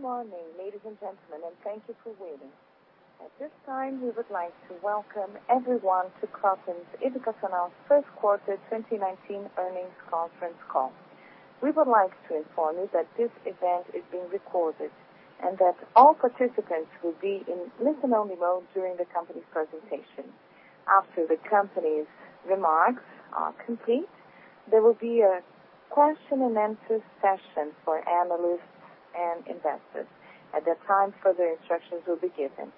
Good morning, ladies and gentlemen, and thank you for waiting. At this time, we would like to welcome everyone to Cogna Educação's first quarter 2019 earnings conference call. We would like to inform you that this event is being recorded and that all participants will be in listen-only mode during the company's presentation. After the company's remarks are complete, there will be a question-and-answer session for analysts and investors at the time further instructions will be given.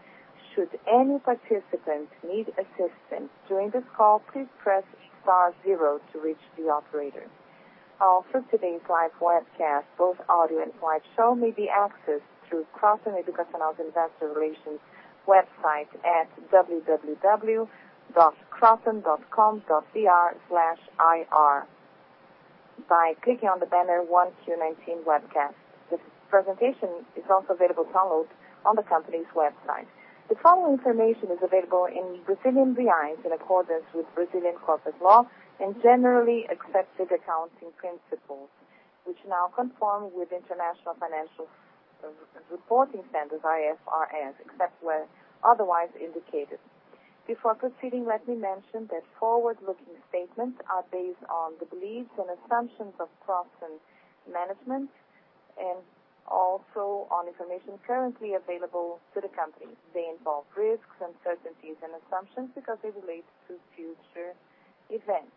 Should any participant need assistance during this call, please press star zero to reach the operator. Also, today's live webcast, both audio and live show, may be accessed through Cogna Educação's investor relations website at www.kroton.com.br/ir by clicking on the banner 1Q19 Webcast. This presentation is also available to download on the company's website. The following information is available in Brazilian reais in accordance with Brazilian corporate law and generally accepted accounting principles, which now conform with International Financial Reporting Standards, IFRS, except where otherwise indicated. Before proceeding, let me mention that forward-looking statements are based on the beliefs and assumptions of Kroton management and also on information currently available to the company. They involve risks, uncertainties, and assumptions because they relate to future events,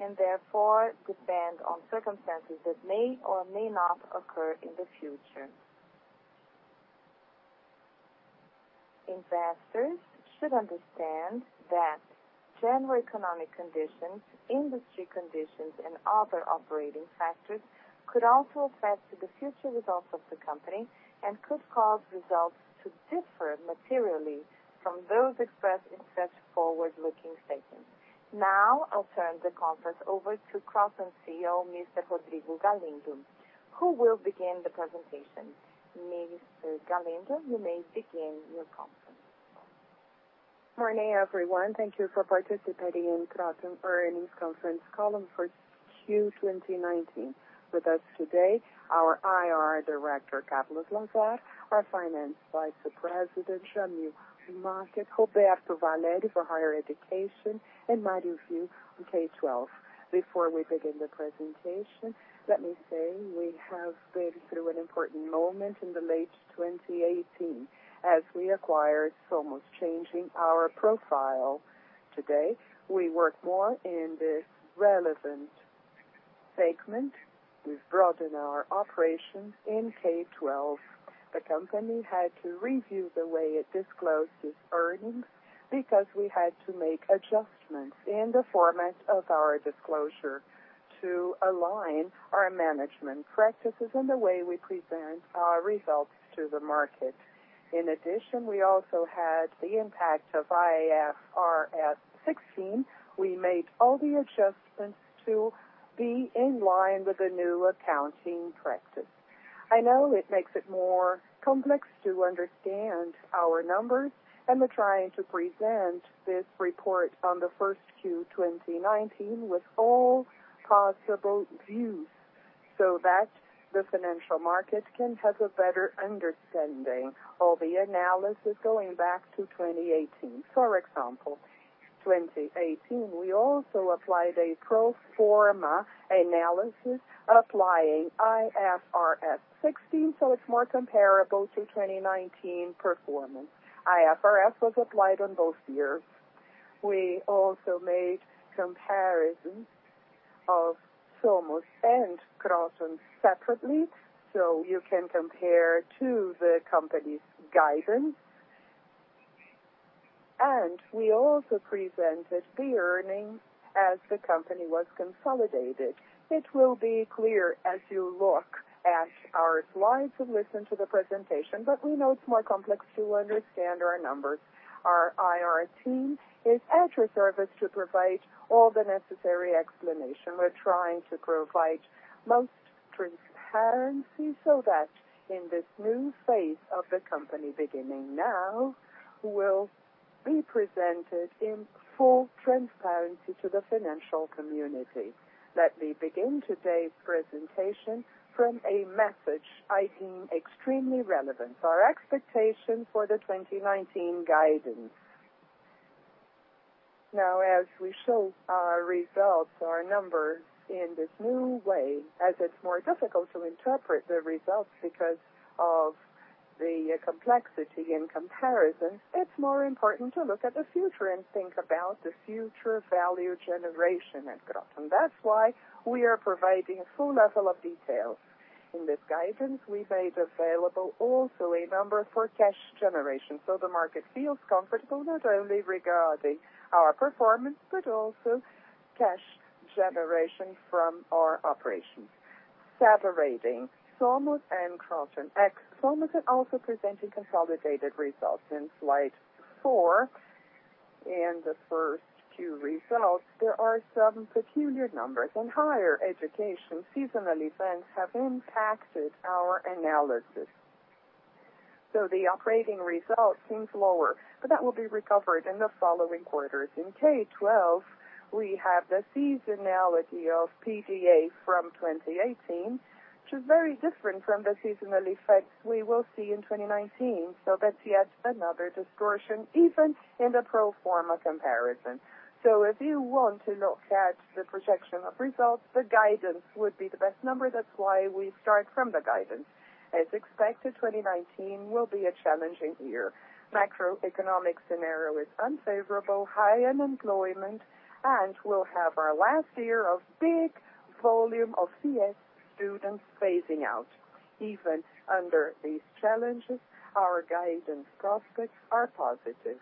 and therefore depend on circumstances that may or may not occur in the future. Investors should understand that general economic conditions, industry conditions, and other operating factors could also affect the future results of the company and could cause results to differ materially from those expressed in such forward-looking statements. Now, I'll turn the conference over to Kroton CEO, Mr. Rodrigo Galindo, who will begin the presentation. Mr. Galindo, you may begin your conference. Morning, everyone. Thank you for participating in Kroton earnings conference call for Q2019. With us today, our IR director, Carlos Lazzar, our finance vice president, Jamil Marques, Roberto Valério for higher education, and Mario Ghio on K12. Before we begin the presentation, let me say we have been through an important moment in late 2018. As we acquired Somos, changing our profile. Today, we work more in this relevant segment. We've broadened our operations in K12. The company had to review the way it disclosed its earnings because we had to make adjustments in the format of our disclosure to align our management practices and the way we present our results to the market. In addition, we also had the impact of IFRS 16. We made all the adjustments to be in line with the new accounting practice. I know it makes it more complex to understand our numbers, and we're trying to present this report on the first Q2019 with all possible views so that the financial market can have a better understanding of the analysis going back to 2018. For example, 2018, we also applied a pro forma analysis applying IFRS 16, so it's more comparable to 2019 performance. IFRS was applied on both years. We also made comparisons of Somos and Kroton separately, so you can compare to the company's guidance. We also presented the earnings as the company was consolidated. It will be clear as you look at our slides and listen to the presentation, but we know it's more complex to understand our numbers. Our IR team is at your service to provide all the necessary explanation. We're trying to provide most transparency so that in this new phase of the company beginning now, we'll be presented in full transparency to the financial community. Let me begin today's presentation from a message I deem extremely relevant, our expectation for the 2019 guidance. As we show our results, our numbers in this new way, as it's more difficult to interpret the results because of the complexity in comparison, it's more important to look at the future and think about the future value generation at Kroton. That's why we are providing a full level of details. In this guidance, we made available also a number for cash generation. The market feels comfortable not only regarding our performance, but also cash generation from our operations. Separating Somos and Kroton ex Somos and also presenting consolidated results in slide four. In the Q1 results, there are some peculiar numbers. In higher education, seasonal events have impacted our analysis. So the operating result seems lower, but that will be recovered in the following quarters. In Q1, we have the seasonality of PGA from 2018, which is very different from the seasonal effects we will see in 2019. That's yet another distortion, even in the pro forma comparison. If you want to look at the projection of results, the guidance would be the best number. That's why we start from the guidance. As expected, 2019 will be a challenging year. Macroeconomic scenario is unfavorable, high unemployment, and we'll have our last year of big volume of FIES students phasing out. Even under these challenges, our guidance prospects are positive.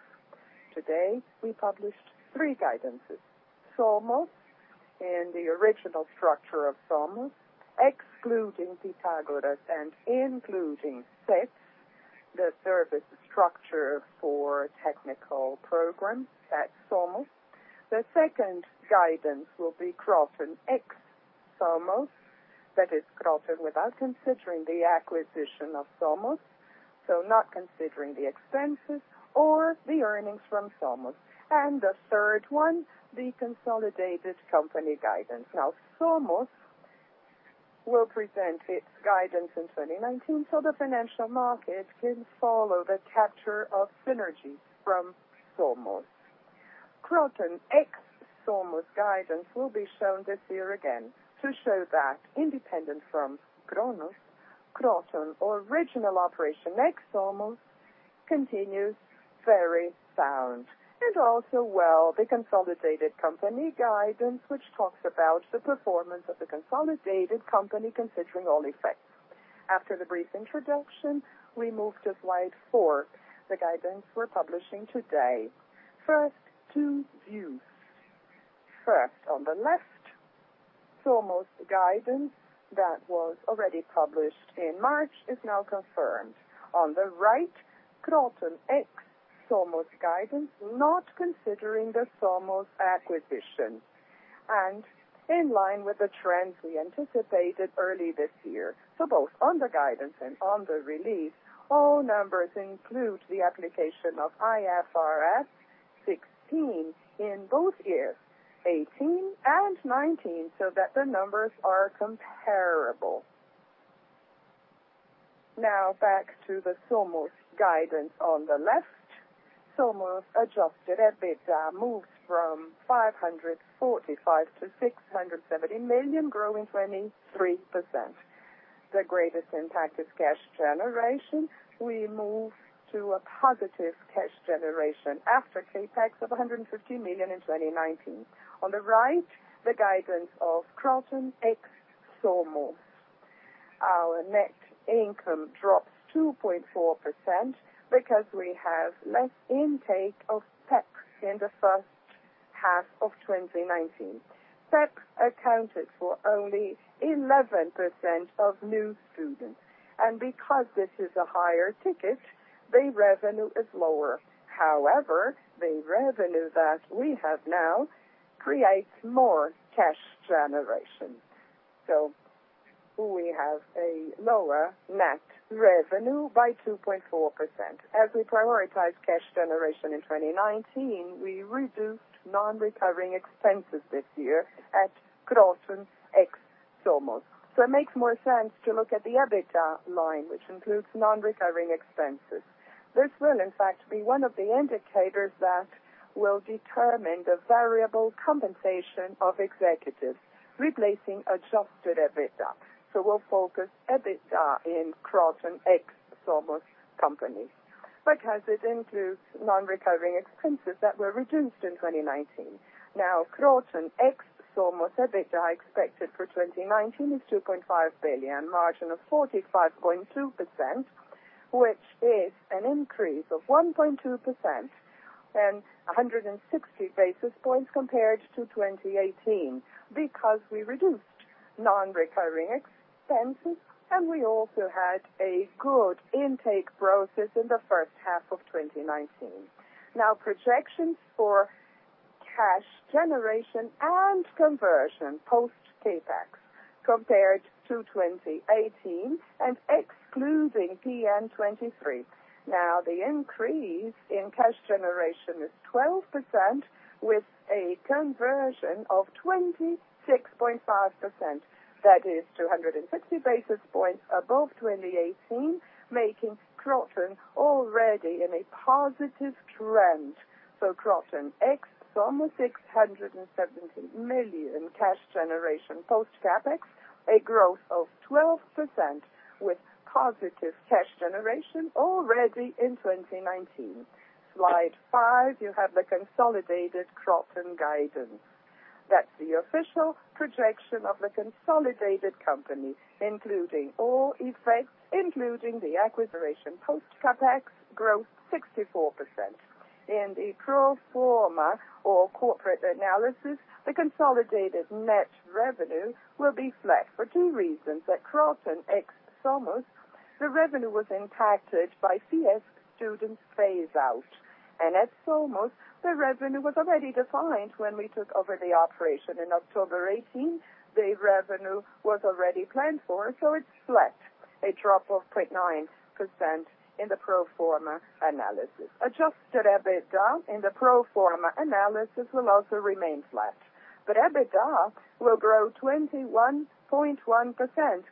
Today, we published three guidances. Somos, in the original structure of Somos, excluding Pitágoras and including TECs, the service structure for technical programs at Somos. The second guidance will be Kroton ex Somos. That is Kroton without considering the acquisition of Somos, not considering the expenses or the earnings from Somos. The third one, the consolidated company guidance. Somos will present its guidance in 2019 so the financial market can follow the capture of synergy from Somos. Kroton ex Somos guidance will be shown this year again to show that independent from Cogna, Kroton original operation ex Somos continues very sound. The consolidated company guidance, which talks about the performance of the consolidated company considering all effects. After the brief introduction, we move to slide four, the guidance we're publishing today. First, two views. First, on the left, Somos guidance that was already published in March is now confirmed. On the right, Kroton ex Somos guidance, not considering the Somos acquisition and in line with the trends we anticipated early this year. Both on the guidance and on the release, all numbers include the application of IFRS 16 in both years 2018 and 2019, so that the numbers are comparable. Back to the Somos guidance on the left. Somos adjusted EBITDA moves from 545 million to 670 million, growing 23%. The greatest impact is cash generation. We move to a positive cash generation after CapEx of 150 million in 2019. On the right, the guidance of Kroton ex Somos. Our net income drops 2.4% because we have less intake of TECs in the first half of 2019. TECs accounted for only 11% of new students. Because this is a higher ticket, the revenue is lower. However, the revenue that we have now creates more cash generation. We have a lower net revenue by 2.4%. As we prioritize cash generation in 2019, we reduced non-recurring expenses this year at Kroton ex Somos. It makes more sense to look at the EBITDA line, which includes non-recurring expenses. This will in fact be one of the indicators that will determine the variable compensation of executives replacing adjusted EBITDA. We'll focus EBITDA in Kroton ex Somos companies because it includes non-recurring expenses that were reduced in 2019. Kroton ex Somos EBITDA expected for 2019 is 2.5 billion, margin of 45.2%, which is an increase of 1.2% and 160 basis points compared to 2018 because we reduced non-recurring expenses and we also had a good intake process in the first half of 2019. Projections for cash generation and conversion post CapEx compared to 2018 and excluding PN23. The increase in cash generation is 12% with a conversion of 26.5%. That is 260 basis points above 2018, making Kroton already in a positive trend. Kroton ex Somos BRL 670 million cash generation post CapEx, a growth of 12% with positive cash generation already in 2019. Slide five, you have the consolidated Kroton guidance. That's the official projection of the consolidated company, including all effects, including the acquisition post CapEx growth 64%. In the pro forma or corporate analysis, the consolidated net revenue will be flat for two reasons. At Kroton ex Somos, the revenue was impacted by CS students phase out, at Somos, the revenue was already defined when we took over the operation in October 2018. The revenue was already planned for, it's flat. A drop of 0.9% in the pro forma analysis. Adjusted EBITDA in the pro forma analysis will also remain flat. EBITDA will grow 21.1%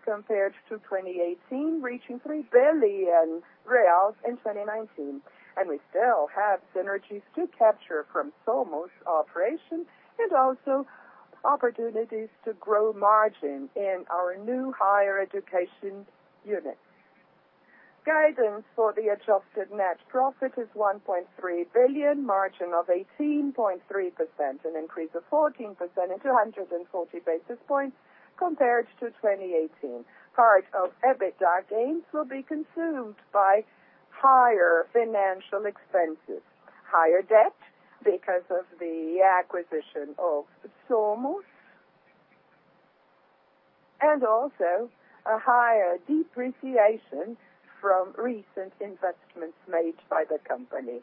compared to 2018, reaching 3 billion reais in 2019. We still have synergies to capture from Somos operations and also opportunities to grow margin in our new higher education unit. Guidance for the adjusted net profit is 1.3 billion, margin of 18.3%, an increase of 14% and 240 basis points compared to 2018. Part of EBITDA gains will be consumed by higher financial expenses, higher debt because of the acquisition of Somos, and also a higher depreciation from recent investments made by the company.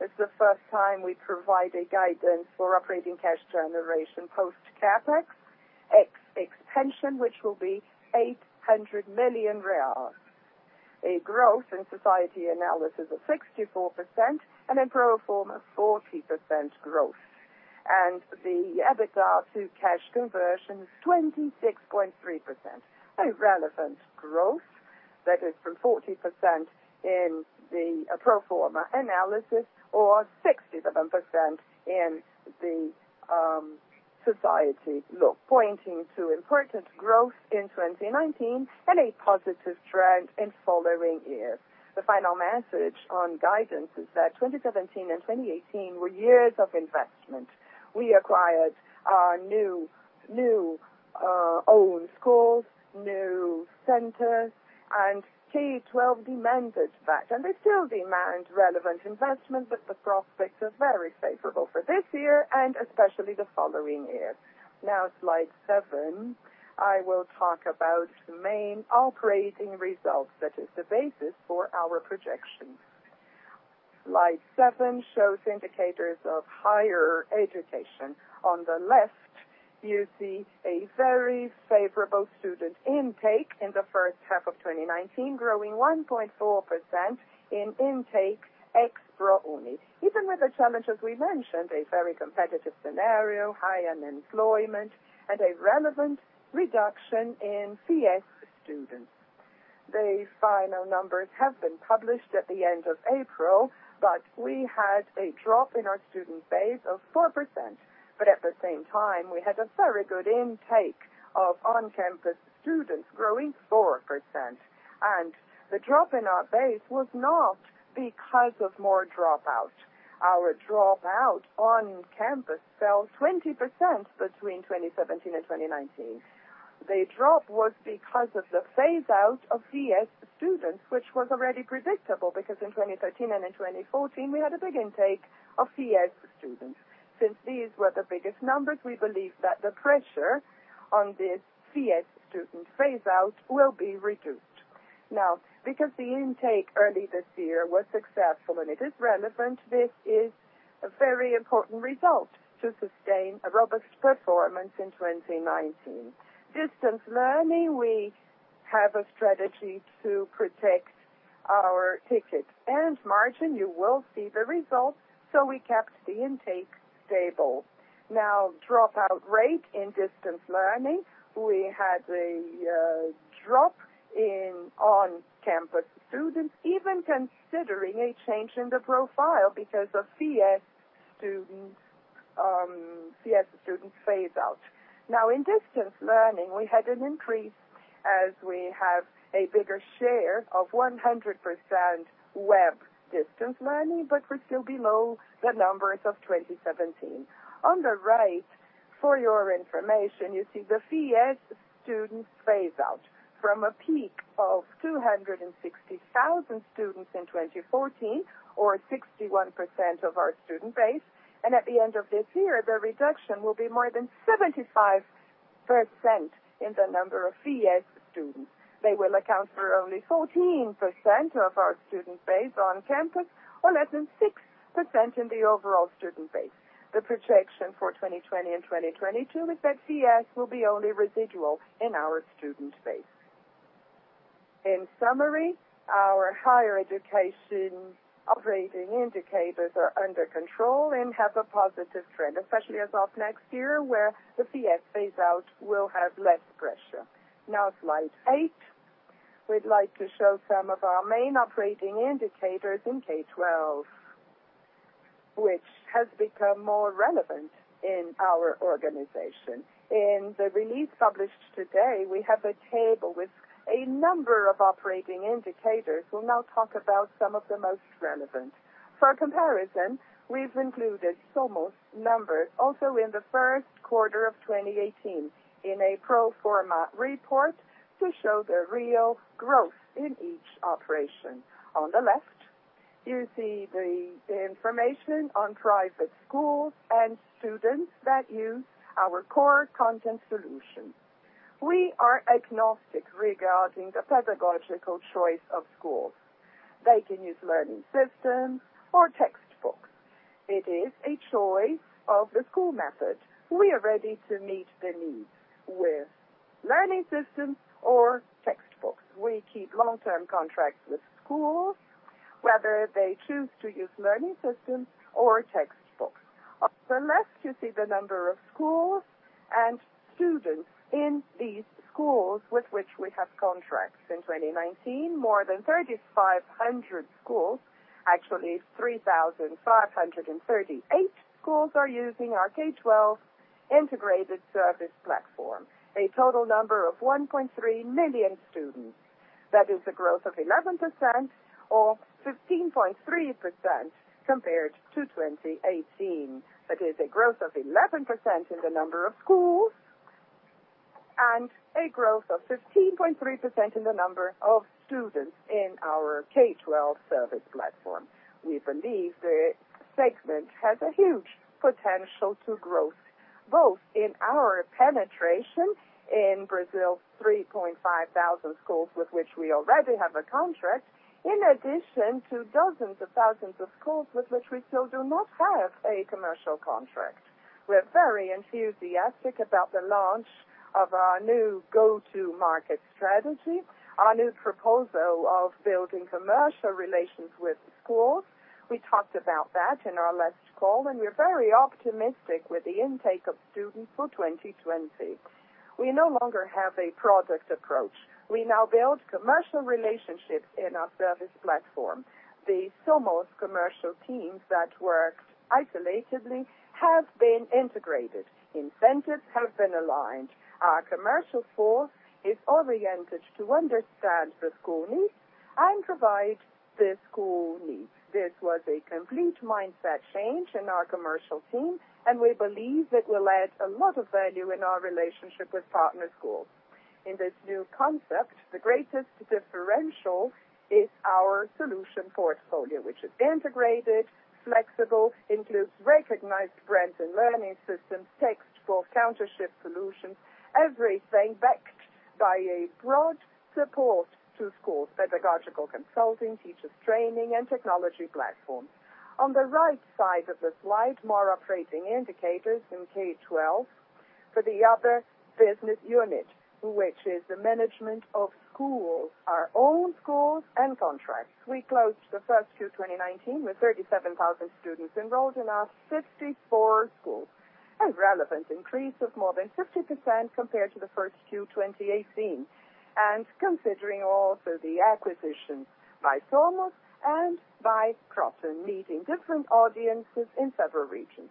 It's the first time we provided guidance for operating cash generation post CapEx, ex pension, which will be 800 million reais. A growth in society analysis of 64% and in pro forma 40% growth. The EBITDA to cash conversion 26.3%. A relevant growth that is from 40% in the pro forma analysis or 67% in the society look, pointing to important growth in 2019 and a positive trend in following years. The final message on guidance is that 2017 and 2018 were years of investment. We acquired our new own schools, new centers, K12 demanded that. They still demand relevant investment, the prospects are very favorable for this year and especially the following year. Slide seven. I will talk about the main operating results that is the basis for our projections. Slide seven shows indicators of higher education. On the left, you see a very favorable student intake in the first half of 2019, growing 1.4% in intake ex ProUni. Even with the challenges we mentioned, a very competitive scenario, high-end employment, and a relevant reduction in FIES students. The final numbers have been published at the end of April, we had a drop in our student base of 4%. At the same time, we had a very good intake of on-campus students growing 4%. The drop in our base was not because of more dropout. Our dropout on campus fell 20% between 2017 and 2019. The drop was because of the phase-out of FIES students, which was already predictable because in 2013 and in 2014, we had a big intake of FIES students. Since these were the biggest numbers, we believe that the pressure on this FIES student phase-out will be reduced. Now, because the intake early this year was successful and it is relevant, this is a very important result to sustain a robust performance in 2019. Distance learning, we have a strategy to protect our ticket and margin. You will see the results. We kept the intake stable. Now, dropout rate in distance learning, we had a drop in on-campus students, even considering a change in the profile because of FIES students phase-out. Now in distance learning, we had an increase as we have a bigger share of 100% web distance learning, we're still below the numbers of 2017. On the right, for your information, you see the FIES students phase-out from a peak of 260,000 students in 2014, or 61% of our student base. At the end of this year, the reduction will be more than 75% in the number of FIES students. They will account for only 14% of our student base on campus or less than 6% in the overall student base. The projection for 2020 and 2022 is that FIES will be only residual in our student base. In summary, our higher education operating indicators are under control and have a positive trend, especially as of next year where the FIES phase-out will have less pressure. Now, slide eight. We'd like to show some of our main operating indicators in K12, which has become more relevant in our organization. In the release published today, we have a table with a number of operating indicators. We'll now talk about some of the most relevant. For comparison, we've included Somos numbers also in the first quarter of 2018 in a pro forma report to show the real growth in each operation. On the left, you see the information on private schools and students that use our core content solution. We are agnostic regarding the pedagogical choice of schools. They can use learning systems or textbooks. It is a choice of the school method. We are ready to meet the needs with learning systems or textbooks. We keep long-term contracts with schools, whether they choose to use learning systems or textbooks. On the left, you see the number of schools and students in these schools with which we have contracts. In 2019, more than 3,500 schools, actually 3,538 schools, are using our K12 integrated service platform. A total number of 1.3 million students. That is a growth of 11% or 15.3% compared to 2018. That is a growth of 11% in the number of schools and a growth of 15.3% in the number of students in our K12 service platform. We believe the segment has a huge potential to growth, both in our penetration in Brazil, 3,500 schools with which we already have a contract, in addition to dozens of thousands of schools with which we still do not have a commercial contract. We're very enthusiastic about the launch of our new go-to-market strategy, our new proposal of building commercial relations with schools. We talked about that in our last call, and we're very optimistic with the intake of students for 2020. We no longer have a product approach. We now build commercial relationships in our service platform. The Somos commercial teams that worked isolatedly have been integrated. Incentives have been aligned. Our commercial force is oriented to understand the school needs and provide the school needs. This was a complete mindset change in our commercial team, and we believe it will add a lot of value in our relationship with partner schools. In this new concept, the greatest differential is our solution portfolio, which is integrated, flexible, includes recognized brands and learning systems, textbooks, counter shift solutions, everything backed by a broad support to schools, pedagogical consulting, teachers training, and technology platform. On the right side of the slide, more operating indicators in K12 for the other business unit, which is the management of schools, our own schools and contracts. We closed the first Q2019 with 37,000 students enrolled in our 64 schools, a relevant increase of more than 50% compared to the first Q2018. Considering also the acquisition by Somos and by Kroton, meeting different audiences in several regions.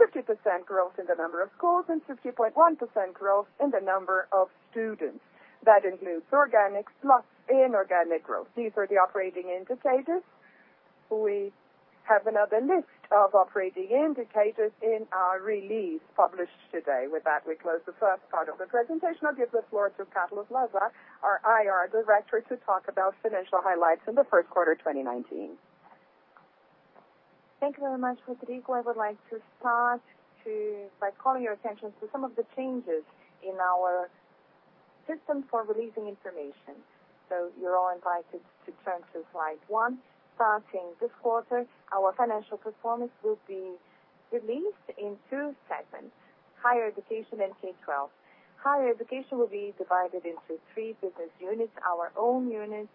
50% growth in the number of schools, and 50.1% growth in the number of students. That includes organic plus inorganic growth. These are the operating indicators. We have another list of operating indicators in our release published today. With that, we close the first part of the presentation. I'll give the floor to Carlos Lazar, our IR Director, to talk about financial highlights in the first quarter 2019. Thank you very much, Rodrigo. I would like to start by calling your attention to some of the changes in our system for releasing information. So you're all invited to turn to slide one. Starting this quarter, our financial performance will be released in two segments, higher education and K12. Higher education will be divided into three business units, our own units,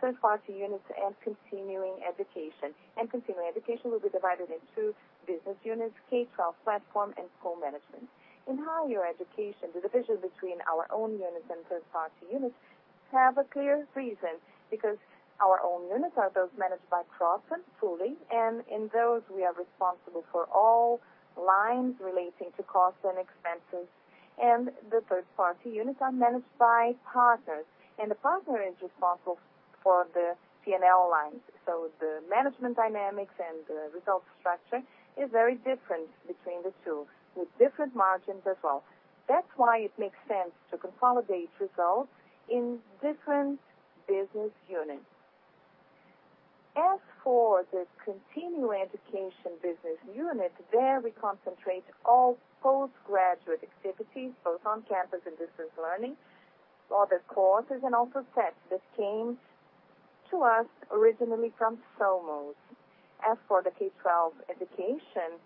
third-party units, and continuing education. Continuing education will be divided in two business units, K12 platform and school management. In higher education, the division between our own units and third-party units have a clear reason, because our own units are those managed by Kroton fully, and in those, we are responsible for all lines relating to costs and expenses. The third-party units are managed by partners, and the partner is responsible for the P&L lines. The management dynamics and the results structure is very different between the two, with different margins as well. That's why it makes sense to consolidate results in different business units. As for the continuing education business unit, there we concentrate all post-graduate activities, both on-campus and distance learning, all the courses and also TECs that came to us originally from Somos. As for the K12 education,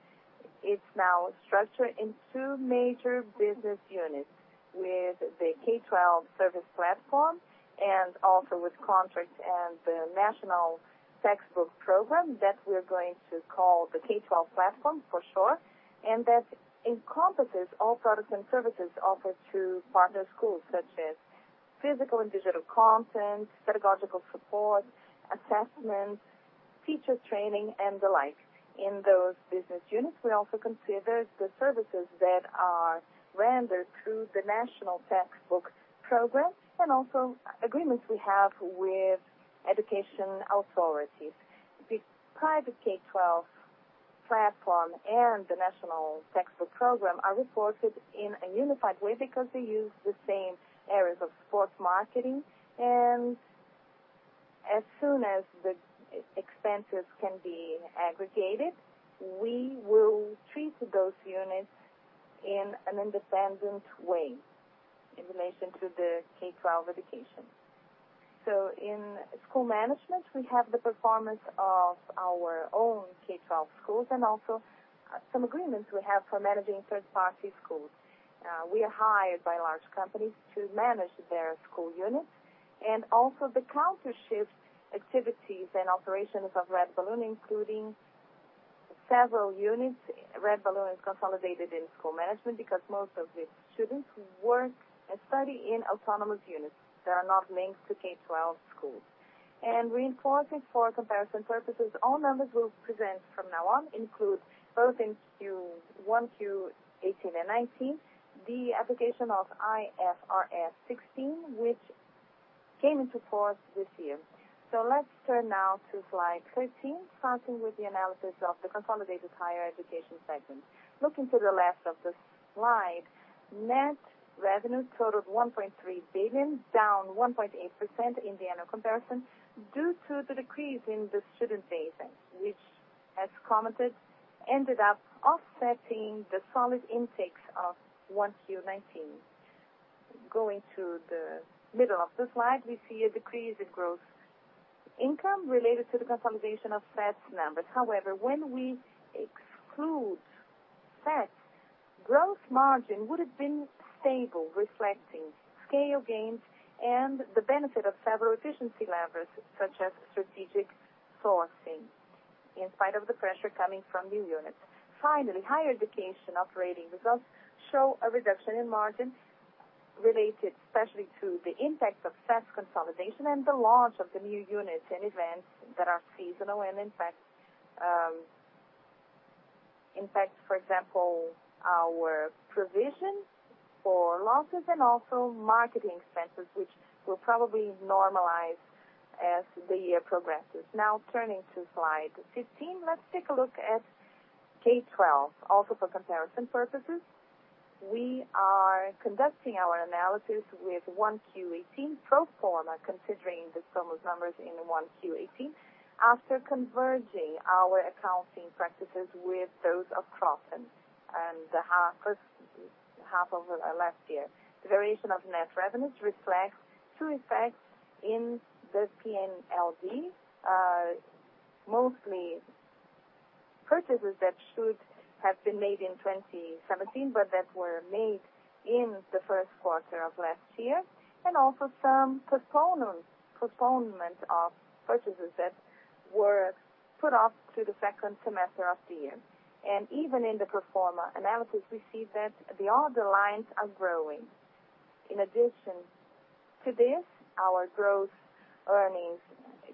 it's now structured in two major business units. With the K12 service platform and also with contracts and the National Textbook Program that we're going to call the K12 Platform for short, and that encompasses all products and services offered to partner schools, such as physical and digital content, pedagogical support, assessments, teacher training, and the like. In those business units, we also consider the services that are rendered through the National Textbook Program and also agreements we have with education authorities. The private K12 platform and the national textbook program are reported in a unified way because they use the same areas of sports marketing, and as soon as the expenses can be aggregated, weTo those units in an independent way in relation to the K12 education. In school management, we have the performance of our own K12 schools and also some agreements we have for managing third-party schools. We are hired by large companies to manage their school units and also the counter-shift activities and operations of Red Balloon, including several units. Red Balloon is consolidated in school management because most of its students work and study in autonomous units that are not linked to K12 schools. Reinforcing for comparison purposes, all numbers we'll present from now on include both in 1Q18 and 2019, the application of IFRS 16, which came into force this year. Let's turn now to slide 13, starting with the analysis of the consolidated higher education segment. Looking to the left of the slide, net revenue totaled 1.3 billion, down 1.8% in the annual comparison due to the decrease in the student base, and which, as commented, ended up offsetting the solid intakes of 1Q19. Going to the middle of the slide, we see a decrease in gross income related to the consolidation of [FAC Sama] numbers. However, when we exclude that, gross margin would have been stable, reflecting scale gains and the benefit of several efficiency levers, such as strategic sourcing, in spite of the pressure coming from new units. Finally, higher education operating results show a reduction in margins related especially to the impact of [FAC Sama] consolidation and the launch of the new units and events that are seasonal and impact, for example, our provision for losses and also marketing expenses, which will probably normalize as the year progresses. Now turning to slide 15. Let's take a look at K12. Also, for comparison purposes, we are conducting our analysis with 1Q18 pro forma, considering the Somos numbers in 1Q18. After converging our accounting practices with those of Kroton and the first half of last year. The variation of net revenues reflects two effects in the P&L. Mostly purchases that should have been made in 2017, but that were made in the first quarter of last year, and also some postponement of purchases that were put off to the second semester of the year. Even in the pro forma analysis, we see that all the lines are growing. In addition to this, our growth earnings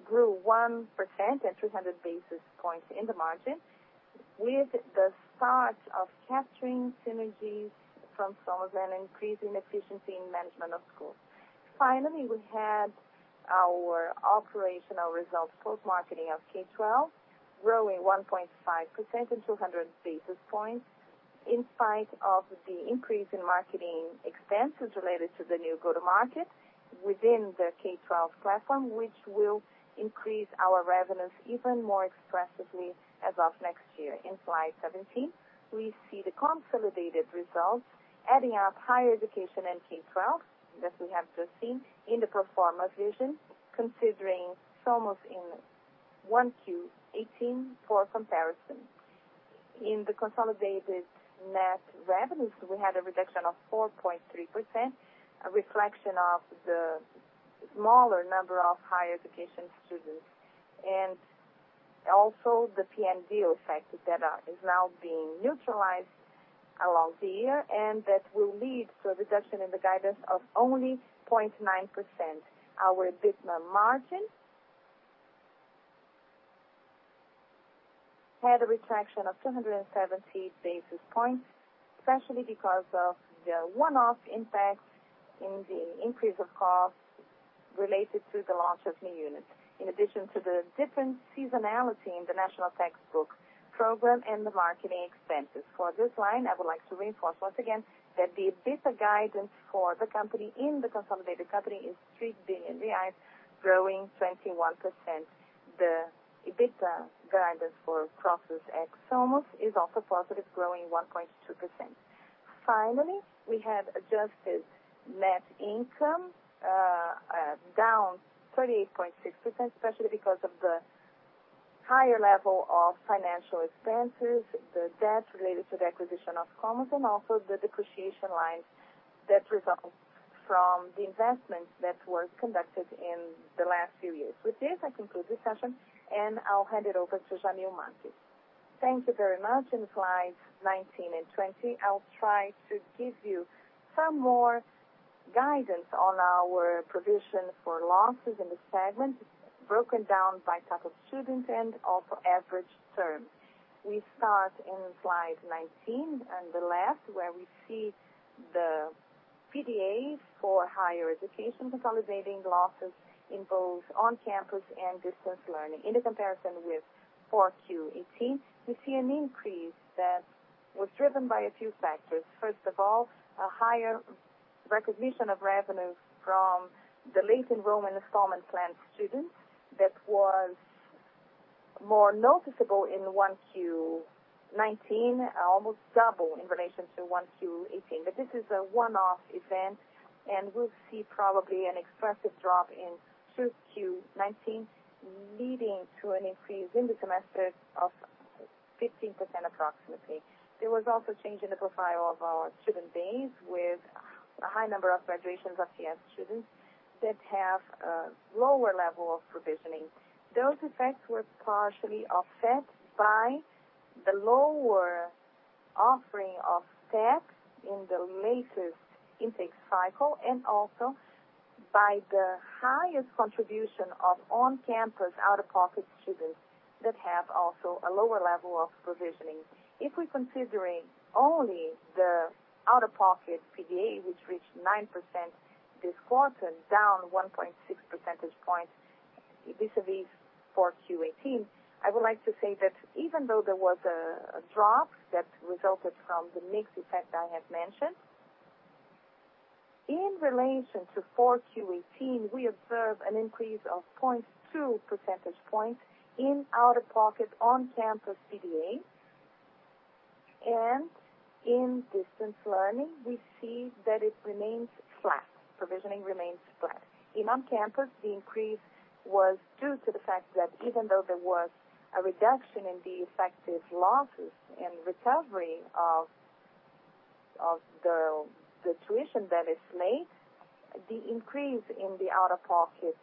grew 1% and 300 basis points in the margin. With the start of capturing synergies from Somos and increasing efficiency in management of schools. Finally, we had our operational results post-marketing of K12 growing 1.5% and 200 basis points in spite of the increase in marketing expenses related to the new go-to-market within the K12 platform, which will increase our revenues even more expressively as of next year. In slide 17, we see the consolidated results adding up higher education and K12 that we have just seen in the pro forma vision, considering Somos in 1Q18 for comparison. Consolidated net revenues, we had a reduction of 4.3%, a reflection of the smaller number of higher education students, and also the PNLD effect that is now being neutralized along the year and that will lead to a reduction in the guidance of only 0.9%. Our EBITDA margin had a retraction of 270 basis points, especially because of the one-off impact in the increase of costs related to the launch of new units, in addition to the different seasonality in the National Textbook Program and the marketing expenses. For this line, I would like to reinforce once again that the EBITDA guidance for the company in the consolidated company is 3 billion reais, growing 21%. The EBITDA guidance for Kroton ex Somos is also positive, growing 1.2%. We have adjusted net income down 38.6%, especially because of the higher level of financial expenses, the debt related to the acquisition of Somos, and also the depreciation lines that result from the investment that was conducted in the last few years. With this, I conclude this session, and I'll hand it over to Jamil Marques. Thank you very much. In slides 19 and 20, I'll try to give you some more guidance on our provision for losses in the segment, broken down by type of student and also average term. We start in slide 19 on the left, where we see the PDAs for higher education consolidating losses in both on-campus and distance learning. In the comparison with 4Q18, we see an increase that was driven by a few factors. A higher recognition of revenues from the late enrollment installment plan students that was more noticeable in 1Q19, almost double in relation to 1Q18. This is a one-off event, and we'll see probably an expressive drop in 2Q19, leading to an increase in the semester of 15% approximately. There was also change in the profile of our student base with a high number of graduations of CS students that have a lower level of provisioning. Those effects were partially offset by the lower offering of TECs in the latest intake cycle, and also by the highest contribution of on-campus out-of-pocket students that have also a lower level of provisioning. If we're considering only the out-of-pocket PDA, which reached 9% this quarter, down 1.6 percentage points vis-a-vis 4Q18, I would like to say that even though there was a drop that resulted from the mix effect I have mentioned, in relation to 4Q18, we observe an increase of 0.2 percentage points in out-of-pocket on-campus PDA. In distance learning, we see that it remains flat. Provisioning remains flat. In on-campus, the increase was due to the fact that even though there was a reduction in the effective losses and recovery of the tuition that is made, the increase in the out-of-pocket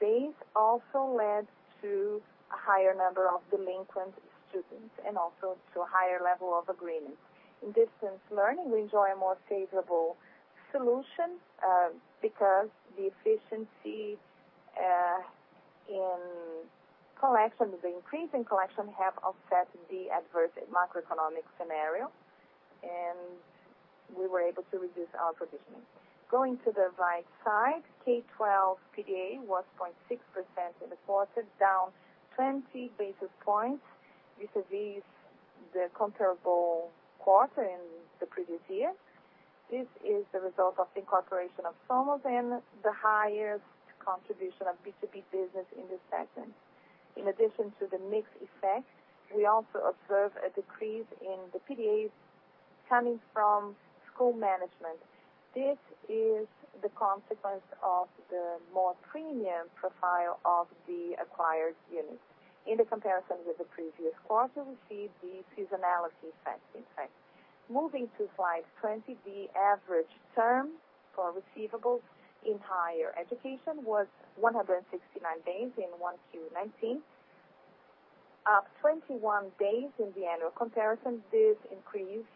base also led to a higher number of delinquent students and also to a higher level of agreement. In distance learning, we enjoy a more favorable solution, because the efficiency in collection, the increase in collection have offset the adverse macroeconomic scenario, and we were able to reduce our provisioning. Going to the right side, K12 PDA was 0.6% in the quarter, down 20 basis points vis-a-vis the comparable quarter in the previous year. This is the result of the incorporation of Somos and the highest contribution of B2B business in this segment. In addition to the mix effect, we also observe a decrease in the PDAs coming from school management. This is the consequence of the more premium profile of the acquired units. In the comparison with the previous quarter, we see the seasonality effect in fact. Moving to slide 20, the average term for receivables in higher education was 169 days in 1Q19, up 21 days in the annual comparison. This increase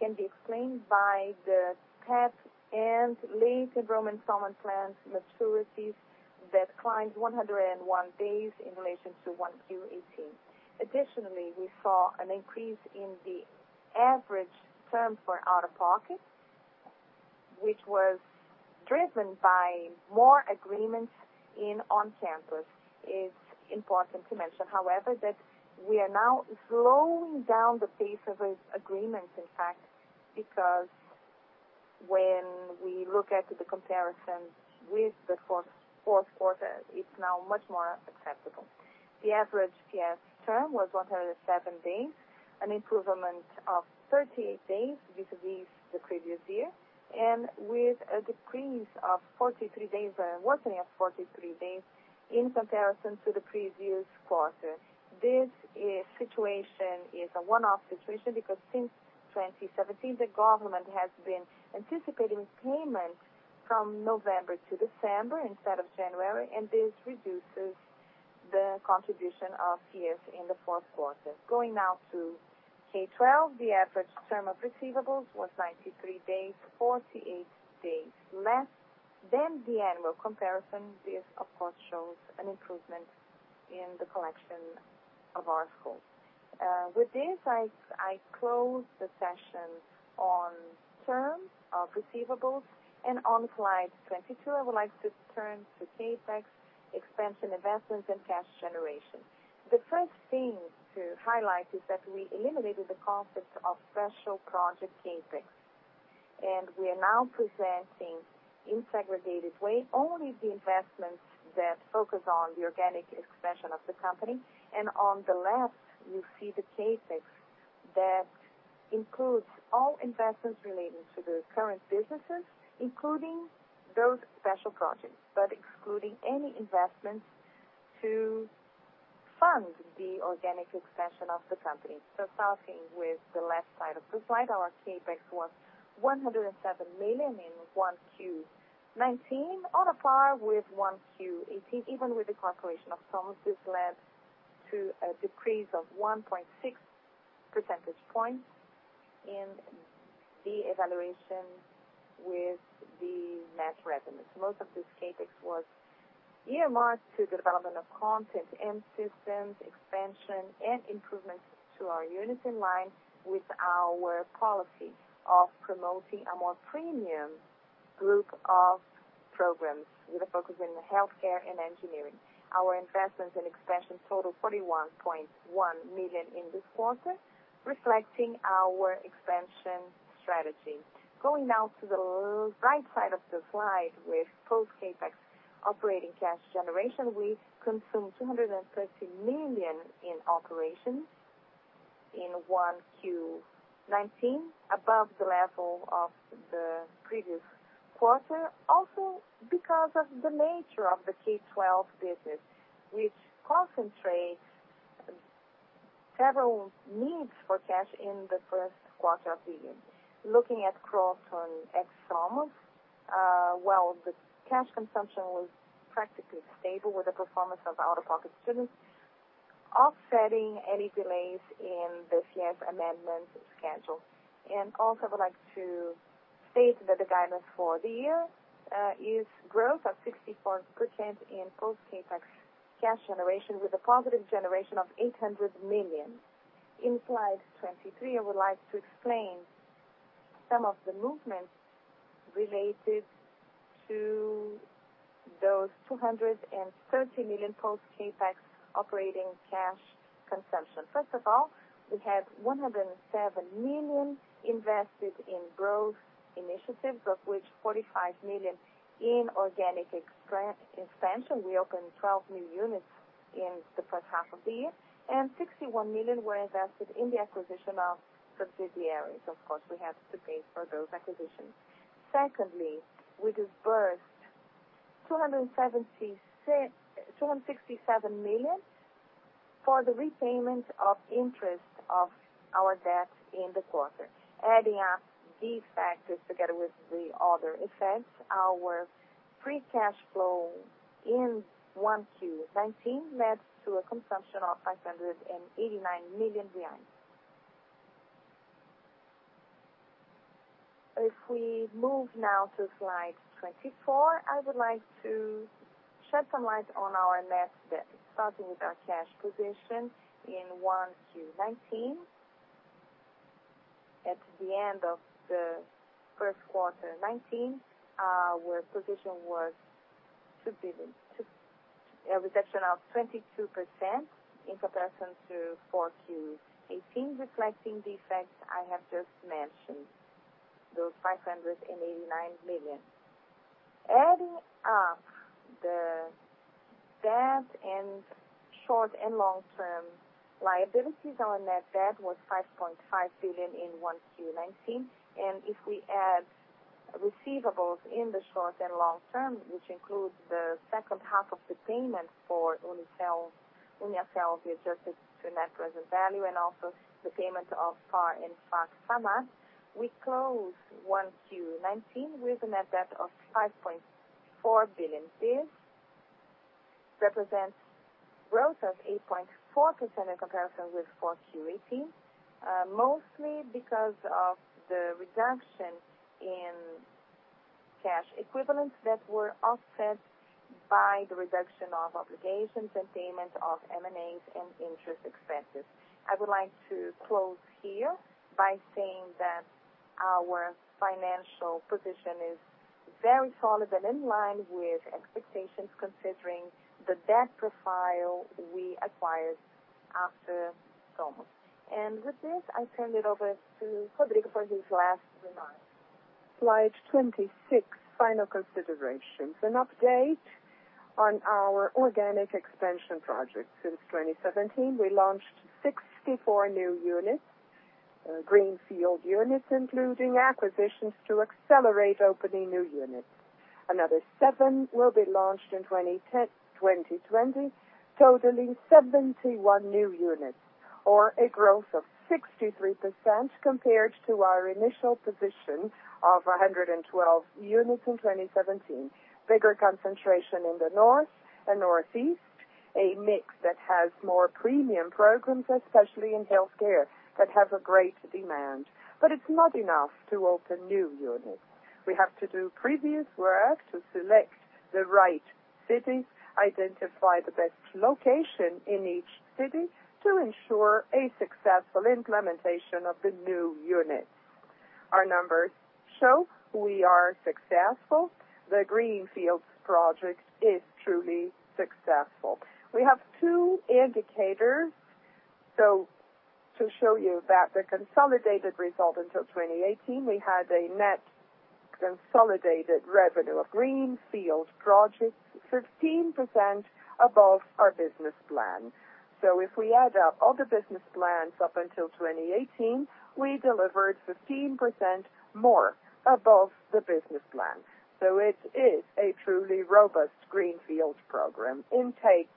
can be explained by the TAP and late enrollment installment plan maturities that climbed 101 days in relation to 1Q18. Additionally, we saw an increase in the average term for out-of-pocket, which was driven by more agreements in on-campus. It's important to mention, however, that we are now slowing down the pace of these agreements, in fact, because when we look at the comparisons with the fourth quarter, it's now much more acceptable. The average PS term was 107 days, an improvement of 38 days vis-a-vis the previous year, and with a decrease of 43 days, a worsening of 43 days in comparison to the previous quarter. This situation is a one-off situation because since 2017, the government has been anticipating payments from November to December instead of January, and this reduces the contribution of PS in the fourth quarter. Going now to K12, the average term of receivables was 93 days, 48 days less than the annual comparison. This, of course, shows an improvement in the collection of our schools. With this, I close the session on terms of receivables. On slide 22, I would like to turn to CapEx, expansion investments and cash generation. The first thing to highlight is that we eliminated the concept of special project CapEx. We are now presenting in segregated way, only the investments that focus on the organic expansion of the company. On the left, you see the CapEx that includes all investments relating to the current businesses, including those special projects, but excluding any investments to fund the organic expansion of the company. Starting with the left side of the slide, our CapEx was 107 million in 1Q19, on a par with 1Q18, even with the calculation of Somos. This led to a decrease of 1.6 percentage points in the evaluation with the match revenues. Most of this CapEx was earmarked to the development of content and systems expansion and improvements to our units in line with our policy of promoting a more premium group of programs with a focus in healthcare and engineering. Our investments and expansion total 41.1 million in this quarter, reflecting our expansion strategy. Going now to the right side of the slide with post-CapEx operating cash generation. We consumed 230 million in operations in 1Q19, above the level of the previous quarter. Because of the nature of the K12 business, which concentrates several needs for cash in the first quarter of the year. Looking at growth on ex Somos. While the cash consumption was practically stable with the performance of out-of-pocket students, offsetting any delays in the FIES amendment schedule. Also, I would like to state that the guidance for the year is growth of 64% in post-CapEx cash generation with a positive generation of 800 million. In slide 23, I would like to explain some of the movements related to those 230 million post-CapEx operating cash consumption. First of all, we had 107 million invested in growth initiatives, of which 45 million in organic expansion. We opened 12 new units in the first half of the year. 61 million were invested in the acquisition of subsidiaries. Of course, we have to pay for those acquisitions. Secondly, we dispersed 267 million for the repayment of interest of our debt in the quarter. Adding up these factors together with the other effects, our free cash flow in 1Q 2019 led to a consumption of 589 million reais. If we move now to slide 24, I would like to shed some light on our net debt, starting with our cash position in 1Q 2019. At the end of the first quarter 2019, our position was a reduction of 22% in comparison to 4Q 2018, reflecting the effects I have just mentioned. Those 589 million. Adding up the debt and short and long-term liabilities, our net debt was 5.5 billion in 1Q 2019. If we add receivables in the short and long term, which includes the second half of the payment for Uniel, we adjusted to net present value and also the payment of PAR and FAC Sama. We close 1Q 2019 with a net debt of 5.4 billion. Represents growth of 8.4% in comparison with 4Q 2018. Mostly because of the reduction in cash equivalents that were offset by the reduction of obligations and payment of M&As and interest expenses. I would like to close here by saying that our financial position is very solid and in line with expectations considering the debt profile we acquired after Somos. With this, I turn it over to Rodrigo for his last remarks. Slide 26. Final considerations. An update on our organic expansion project. Since 2017, we launched 64 new units. Greenfield units, including acquisitions to accelerate opening new units. Another seven will be launched in 2020, totaling 71 new units. Or a growth of 63% compared to our initial position of 112 units in 2017. Bigger concentration in the North and Northeast. A mix that has more premium programs, especially in healthcare, that have a great demand. But it's not enough to open new units. We have to do previous work to select the right cities, identify the best location in each city to ensure a successful implementation of the new units. Our numbers show we are successful. The Greenfield project is truly successful. We have two indicators to show you that. The consolidated result until 2018, we had a net consolidated revenue of Greenfield project 15% above our business plan. If we add up all the business plans up until 2018, we delivered 15% more above the business plan. It is a truly robust Greenfield program. Intake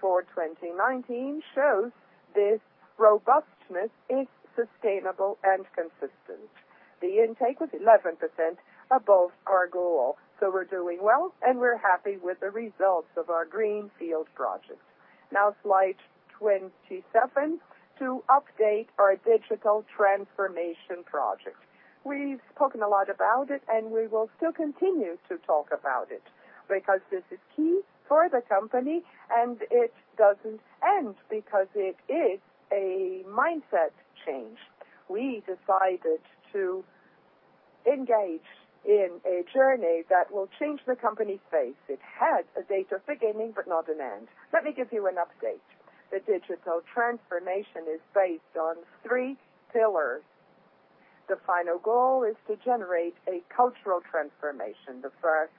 for 2019 shows this robustness is sustainable and consistent. The intake was 11% above our goal. We're doing well, and we're happy with the results of our Greenfield projects. Now slide 27. To update our digital transformation project. We've spoken a lot about it, and we will still continue to talk about it because this is key for the company, and it doesn't end because it is a mindset change. We decided to engage in a journey that will change the company's face. It had a date of beginning, but not an end. Let me give you an update. The digital transformation is based on three pillars. The final goal is to generate a cultural transformation. The first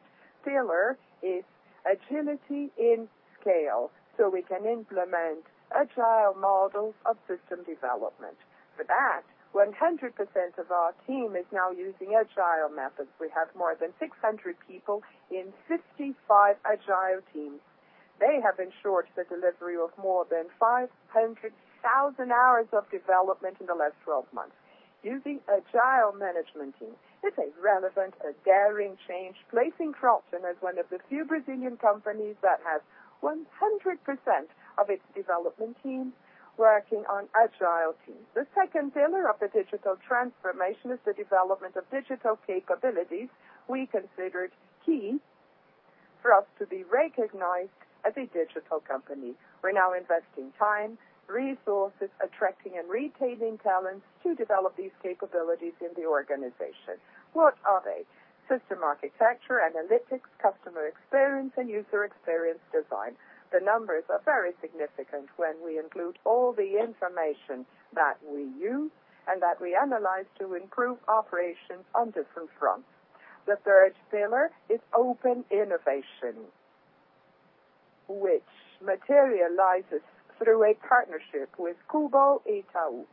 pillar is agility in scale, we can implement agile models of system development. For that, 100% of our team is now using agile methods. We have more than 600 people in 65 agile teams. They have ensured the delivery of more than 500,000 hours of development in the last 12 months using agile management team. It's a relevant, a daring change, placing Kroton as one of the few Brazilian companies that has 100% of its development team working on agile teams. The second pillar of the digital transformation is the development of digital capabilities we considered key for us to be recognized as a digital company. We're now investing time, resources, attracting and retaining talents to develop these capabilities in the organization. What are they? System architecture, analytics, customer experience, and user experience design. The numbers are very significant when we include all the information that we use and that we analyze to improve operations on different fronts. The third pillar is open innovation, which materializes through a partnership with Cubo Itaú.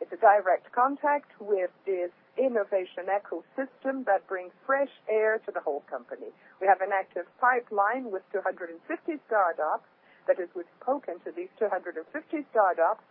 It's a direct contact with this innovation ecosystem that brings fresh air to the whole company. We have an active pipeline with 250 startups. That is, we've spoken to these 250 startups.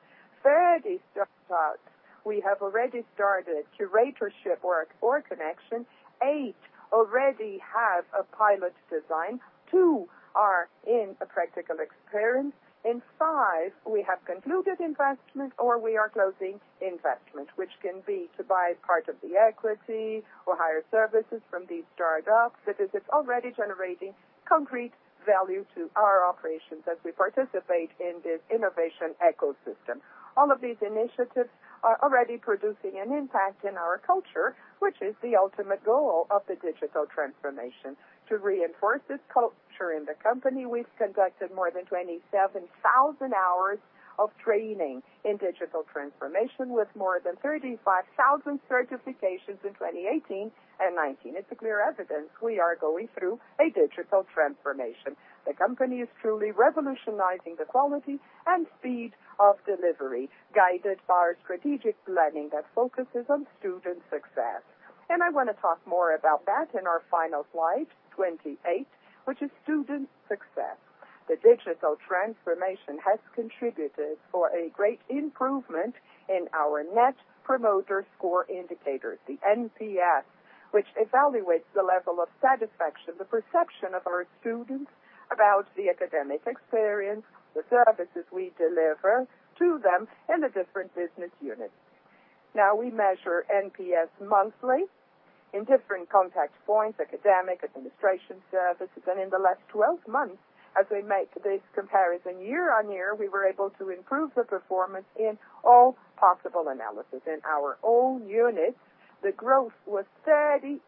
30 startups we have already started curatorship work or connection. Eight already have a pilot design. Two are in a practical experience. In five, we have concluded investment or we are closing investment, which can be to buy part of the equity or hire services from these startups. That is, it's already generating concrete value to our operations as we participate in this innovation ecosystem. All of these initiatives are already producing an impact in our culture, which is the ultimate goal of the digital transformation. To reinforce this culture in the company, we've conducted more than 27,000 hours of training in digital transformation, with more than 35,000 certifications in 2018 and 2019. It's a clear evidence we are going through a digital transformation. The company is truly revolutionizing the quality and speed of delivery, guided by our strategic planning that focuses on student success. I want to talk more about that in our final slide 28, which is student success. The digital transformation has contributed for a great improvement in our Net Promoter Score indicators, the NPS, which evaluates the level of satisfaction, the perception of our students about the academic experience, the services we deliver to them in the different business units. We measure NPS monthly in different contact points, academic, administration services. In the last 12 months, as we make this comparison year-over-year, we were able to improve the performance in all possible analysis. In our own units, the growth was 38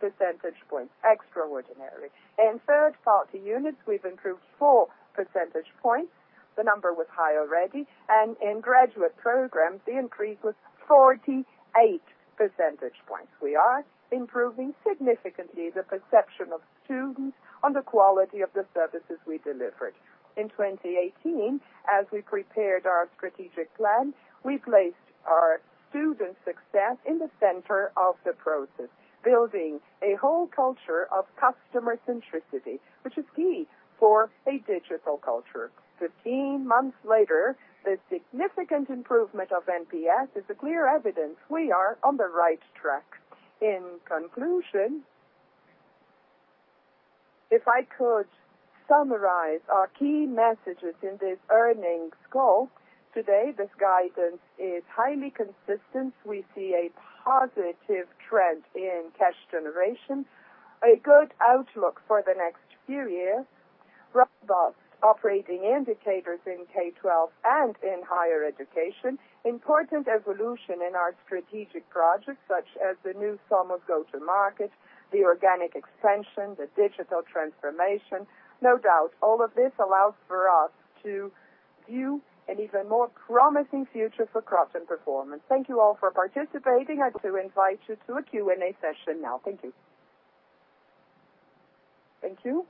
percentage points. Extraordinary. In third-party units, we improved four percentage points. The number was high already. In graduate programs, the increase was 48 percentage points. We are improving significantly the perception of students on the quality of the services we delivered. In 2018, as we prepared our strategic plan, we placed our student success in the center of the process, building a whole culture of customer centricity, which is key for a digital culture. 15 months later, the significant improvement of NPS is a clear evidence we are on the right track. In conclusion, if I could summarize our key messages in this earnings call today, this guidance is highly consistent. We see a positive trend in cash generation, a good outlook for the next few years, robust operating indicators in K-12 and in higher education. Important evolution in our strategic projects such as the new SOMOS go-to market, the organic expansion, the digital transformation. No doubt all of this allows for us to view an even more promising future for Kroton performance. Thank you all for participating. I'd like to invite you to a Q&A session now. Thank you. Thank you.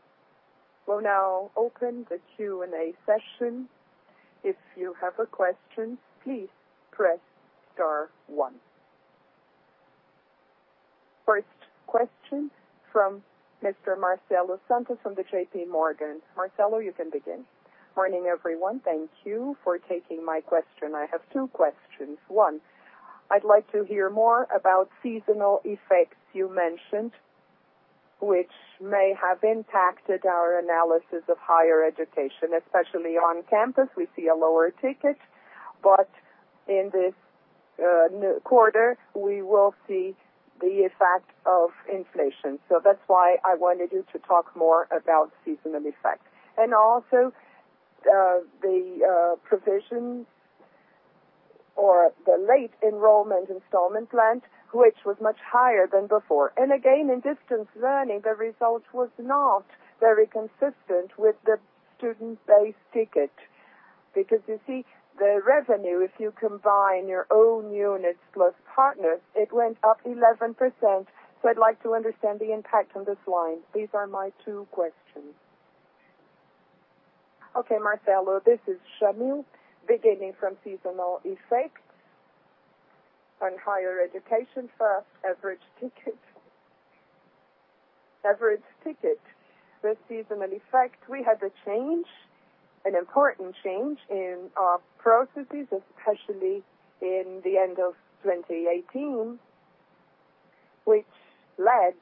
We'll now open the Q&A session. If you have a question, please press star one. First question from Mr. Marcelo Santos from the JP Morgan. Marcelo, you can begin. Morning, everyone. Thank you for taking my question. I have two questions. One, I'd like to hear more about seasonal effects you mentioned, which may have impacted our analysis of higher education, especially on campus we see a lower ticket, but in this quarter we will see the effect of inflation. That's why I wanted you to talk more about seasonal effects. The provision or the late enrollment installment plan, which was much higher than before. In distance learning, the result was not very consistent with the student-based ticket. You see, the revenue, if you combine your own units plus partners, it went up 11%. I'd like to understand the impact on this line. These are my two questions. Okay, Marcelo, this is Jamil. Beginning from seasonal effects on higher education. First, average ticket. With seasonal effect, we had an important change in our processes, especially in the end of 2018, which led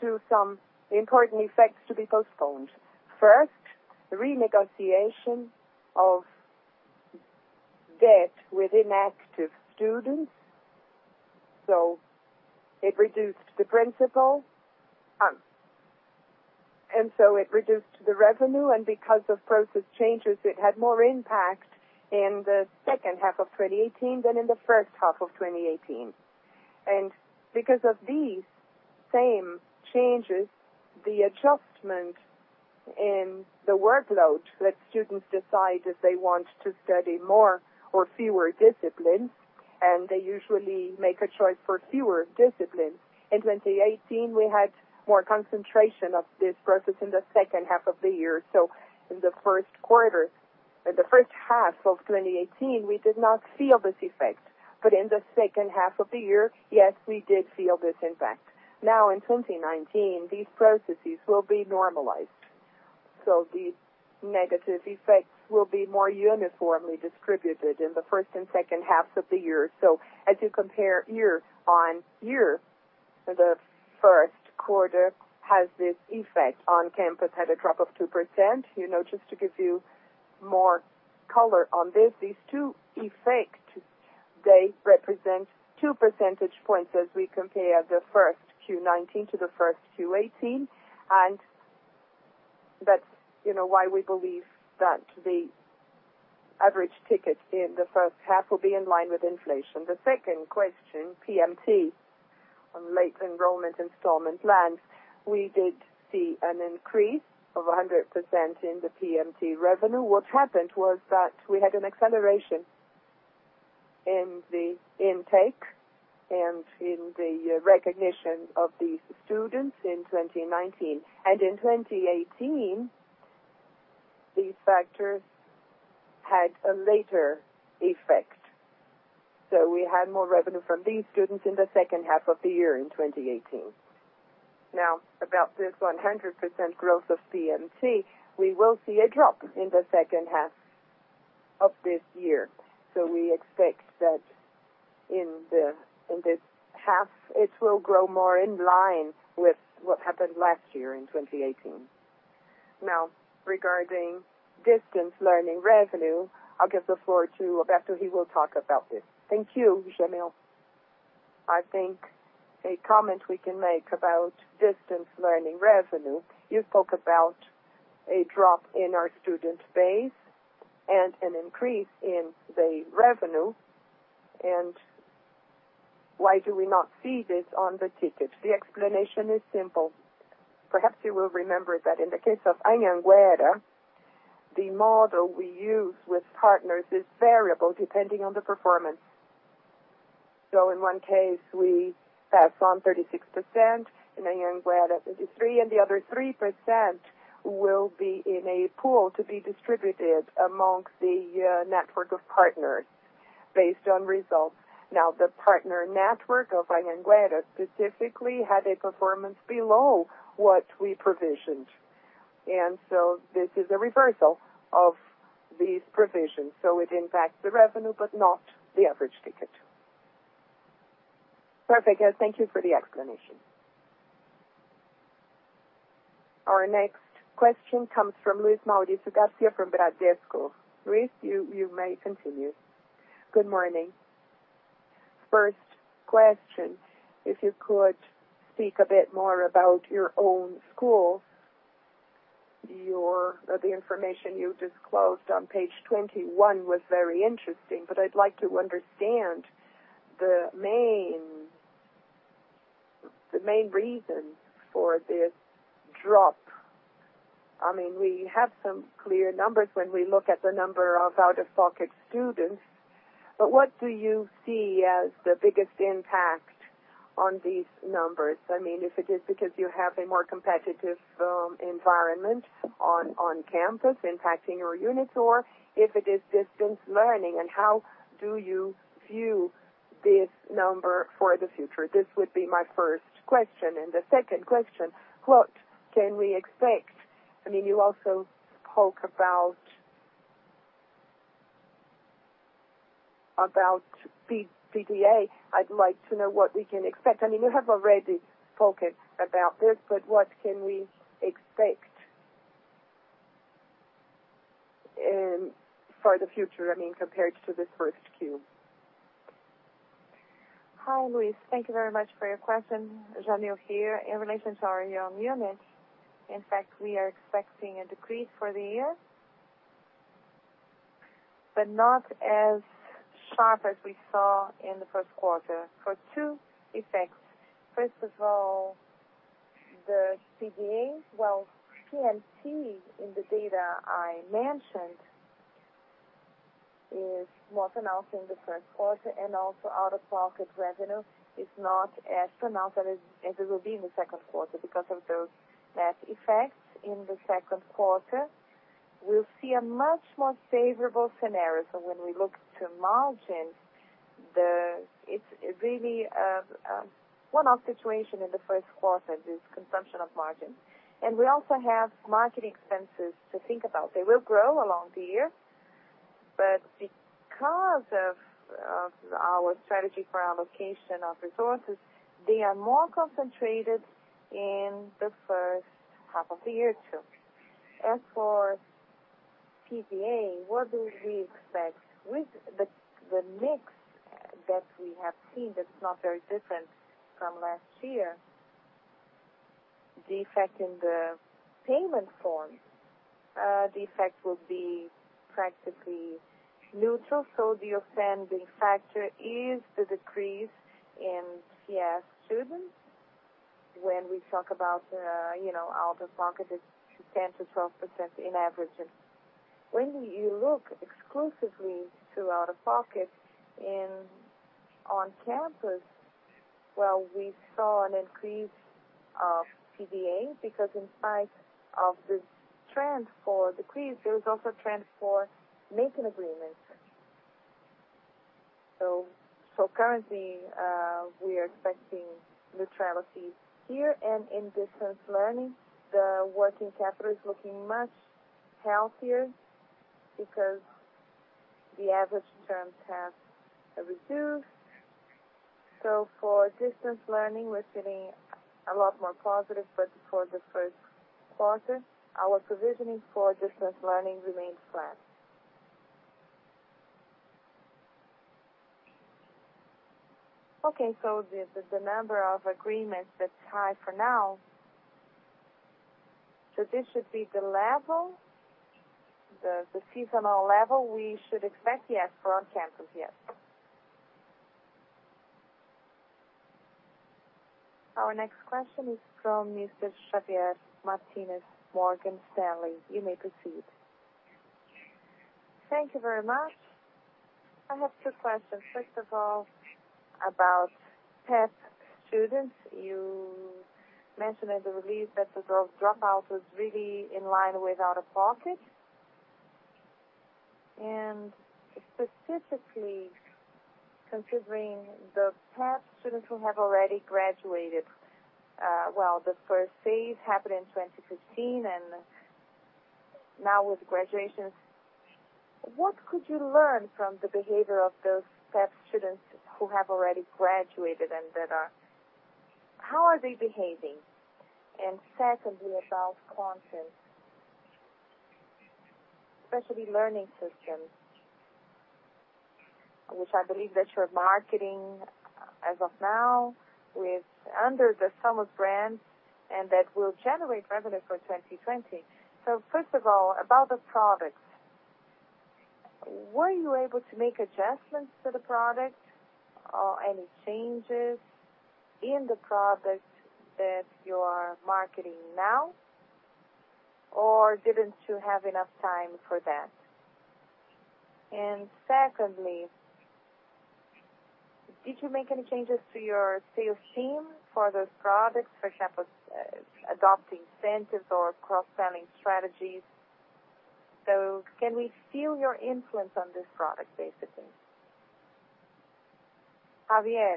to some important effects to be postponed. First, renegotiation of debt with inactive students. It reduced the principal, it reduced the revenue, and because of process changes, it had more impact in the second half of 2018 than in the first half of 2018. Because of these same changes, the adjustment in the workload that students decide if they want to study more or fewer disciplines, and they usually make a choice for fewer disciplines. In 2018, we had more concentration of this process in the second half of the year. In the first half of 2018, we did not feel this effect. In the second half of the year, yes, we did feel this impact. In 2019, these processes will be normalized. The negative effects will be more uniformly distributed in the first and second halves of the year. As you compare year-over-year, the first quarter has this effect on campus, had a drop of 2%. Just to give you more color on this, these two effects, they represent two percentage points as we compare the first Q19 to the first Q18, and that is why we believe that the average ticket in the first half will be in line with inflation. The second question, PMT on late enrollment installment plans. We did see an increase of 100% in the PMT revenue. What happened was that we had an acceleration in the intake and in the recognition of these students in 2019. In 2018, these factors had a later effect. We had more revenue from these students in the second half of the year in 2018. About this 100% growth of PMT, we will see a drop in the second half of this year. We expect that in this half, it will grow more in line with what happened last year in 2018. Regarding distance learning revenue, I will give the floor to Roberto. He will talk about this. Thank you, Jamil. I think a comment we can make about distance learning revenue, you spoke about a drop in our student base and an increase in the revenue, and why do we not see this on the tickets? The explanation is simple. Perhaps you will remember that in the case of Anhanguera, the model we use with partners is variable depending on the performance. In one case, we pass on 36%, in Anhanguera, 33%, and the other 3% will be in a pool to be distributed amongst the network of partners based on results. The partner network of Anhanguera specifically had a performance below what we provisioned. This is a reversal of these provisions. It impacts the revenue, but not the average ticket. Perfect. Thank you for the explanation. Our next question comes from Luiz Mauricio Garcia from Bradesco. Luiz, you may continue. Good morning. First question, if you could speak a bit more about your own schools. The information you disclosed on page 21 was very interesting, but I would like to understand the main reason for this drop. We have some clear numbers when we look at the number of out-of-pocket students, but what do you see as the biggest impact on these numbers? If it is because you have a more competitive environment on campus impacting your units, or if it is distance learning, and how do you view this number for the future? This would be my first question. The second question, what can we expect? You also spoke about PDA. I would like to know what we can expect. You have already spoken about this, but what can we expect for the future compared to the first Q? Hi, Luiz. Thank you very much for your question. Jamil here. In relation to our young units, in fact, we are expecting a decrease for the year, but not as sharp as we saw in the first quarter for two effects. First of all, the PDAs. Well, PEP in the data I mentioned is what announced in the first quarter, and also out-of-pocket revenue is not as pronounced as it will be in the second quarter because of those effects. In the second quarter, we'll see a much more favorable scenario. When we look to margin, it's really a one-off situation in the first quarter, this consumption of margin. We also have marketing expenses to think about. They will grow along the year, but because of our strategy for allocation of resources, they are more concentrated in the first half of the year too. As for PDA, what do we expect? With the mix that we have seen, that's not very different from last year. The effect in the payment form. The effect will be practically neutral, the offending factor is the decrease in PEP students. When we talk about out-of-pocket, it's 10%-12% in averages. When you look exclusively to out-of-pocket on campus, well, we saw an increase of PDA because in spite of this trend for decrease, there is also a trend for making agreements. Currently, we are expecting neutrality here. In distance learning, the working capital is looking much healthier because the average terms have reduced. For distance learning, we're feeling a lot more positive. For the first quarter, our provisioning for distance learning remains flat. Okay. This is the number of agreements that's high for now. This should be the seasonal level we should expect, yes, for on-campus. Yes. Our next question is from Mr. Javier Martinez, Morgan Stanley. You may proceed. Thank you very much. I have two questions. First of all, about PEP students. You mentioned in the release that the dropout was really in line with out-of-pocket. Specifically considering the PEP students who have already graduated. Well, the first phase happened in 2015, and now with graduations, what could you learn from the behavior of those PEP students who have already graduated? How are they behaving? Secondly, about content, especially learning systems, which I believe that you're marketing as of now under the Somos brand, and that will generate revenue for 2020. First of all, about the products. Were you able to make adjustments to the product or any changes in the product that you are marketing now, or didn't you have enough time for that? Secondly, did you make any changes to your sales team for those products? For example, adopting incentives or cross-selling strategies. Can we feel your influence on this product, basically? Javier.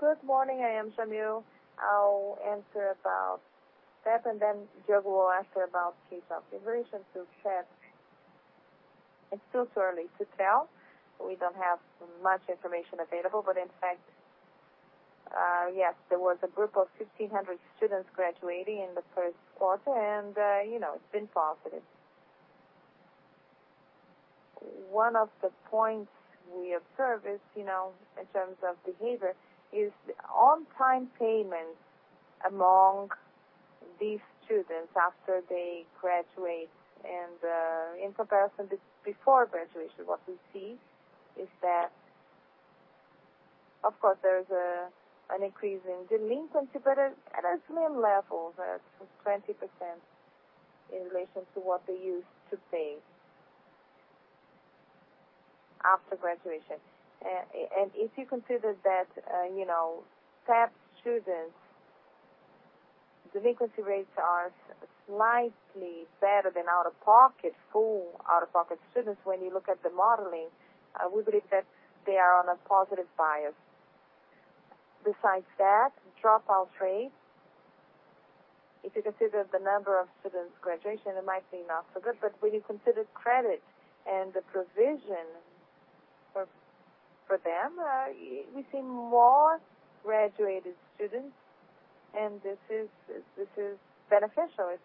Good morning. I am Jamil. I'll answer about PEP, and then Diogo will answer about Besides that, dropout rates. If you consider the number of students graduating, it might be not so good, but when you consider credit and the provision for them, we see more graduated students. This is beneficial. It's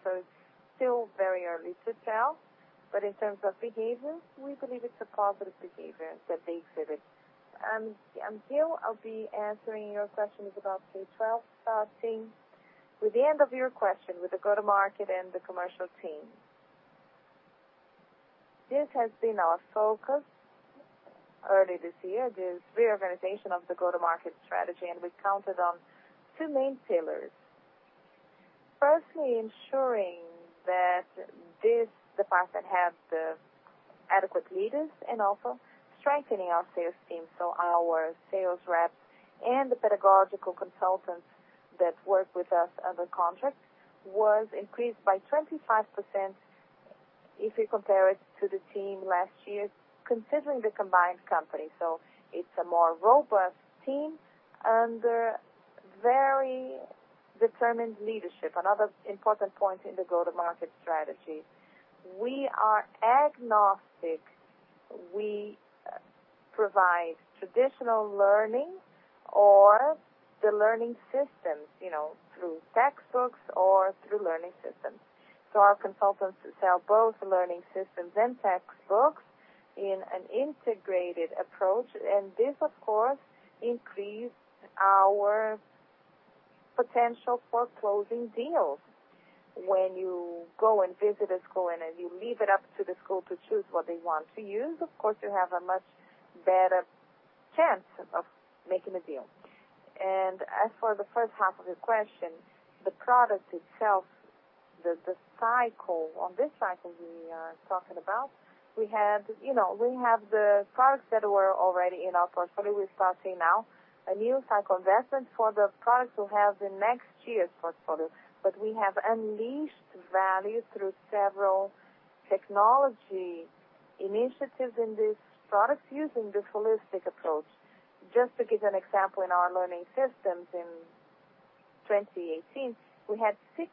still very early to tell. In terms of behavior, we believe it's a positive behavior that they exhibit. Ghio, I'll be answering your questions about the K-12 team with the end of your question with the go-to-market and the commercial team. This has been our focus early this year, this reorganization of the go-to-market strategy, and we counted on two main pillars. Firstly, ensuring that this department has the adequate leaders and also strengthening our sales team. Our sales reps and the pedagogical consultants that work with us under contract was increased by 25% if you compare it to the team last year, considering the combined company. It's a more robust team under very determined leadership. Another important point in the go-to-market strategy, we are agnostic. We provide traditional learning or the learning systems, through textbooks or through learning systems. Our consultants sell both learning systems and textbooks in an integrated approach. This, of course, increased our potential for closing deals. When you go and visit a school and then you leave it up to the school to choose what they want to use, of course, you have a much better chance of making a deal. As for the first half of your question, the product itself, on this cycle we are talking about, we have the products that were already in our portfolio. We are starting now a new cycle of investments for the products we'll have in next year's portfolio. We have unleashed value through several technology initiatives in these products using the holistic approach. Just to give you an example, in our learning systems in 2018, we had six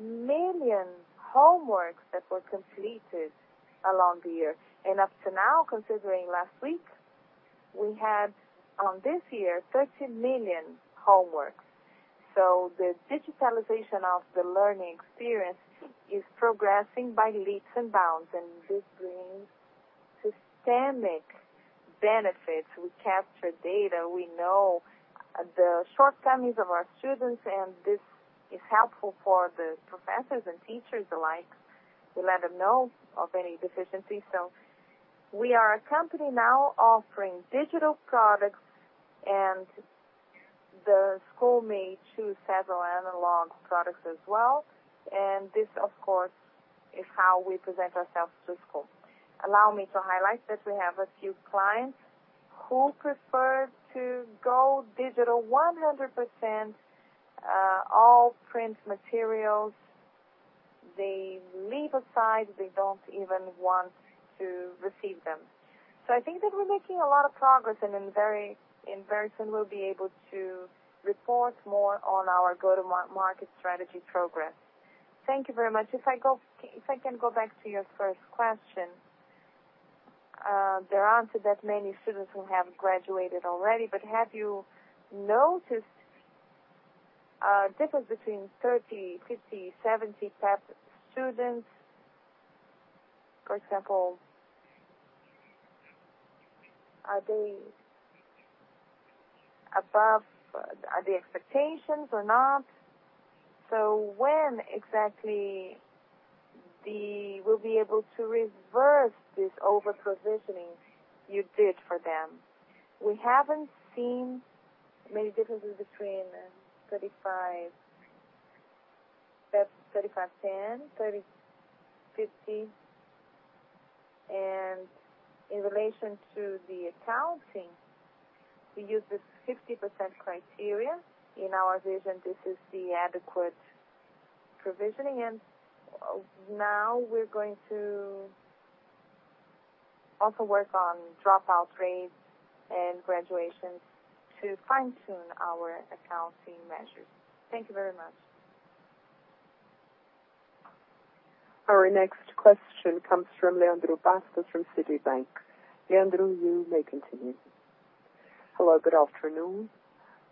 million homeworks that were completed along the year. Up to now, considering last week, we have on this year, 13 million homeworks. The digitalization of the learning experience is progressing by leaps and bounds, and this brings systemic benefits. We capture data, we know the shortcomings of our students, and this is helpful for the professors and teachers alike. We let them know of any deficiencies. We are a company now offering digital products, and the school may choose several analog products as well. This, of course, is how we present ourselves to schools. Allow me to highlight that we have a few clients who prefer to go digital 100%. All print materials they leave aside, they don't even want to receive them. I think that we're making a lot of progress, and very soon we'll be able to report more on our go-to-market strategy progress. Thank you very much. If I can go back to your first question. There aren't that many students who have graduated already, but have you noticed a difference between 30, 50, 70 students? For example, are they above the expectations or not? When exactly will be able to reverse this over-provisioning you did for them? We haven't seen many differences between 35/10, 30/50. In relation to the accounting, we use the 60% criteria. In our vision, this is the adequate provisioning. Now we're going to also work on dropout rates and graduations to fine-tune our accounting measures. Thank you very much. Our next question comes from Leandro Bastos from Citibank. Leandro, you may continue. Hello, good afternoon.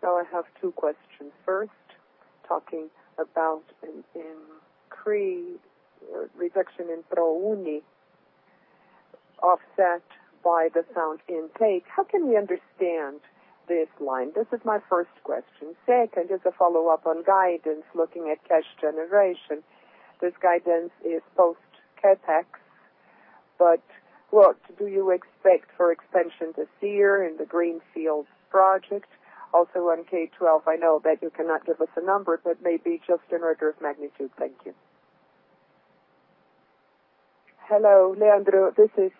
I have two questions. First, talking about a reduction in ProUni offset by the sound intake. How can we understand this line? This is my first question. Second, just a follow-up on guidance, looking at cash generation. This guidance is post-CapEx, but what do you expect for expansion this year in the greenfield project? Also on K12, I know that you cannot give us a number, but maybe just an order of magnitude. Thank you. Hello, Leandro. This is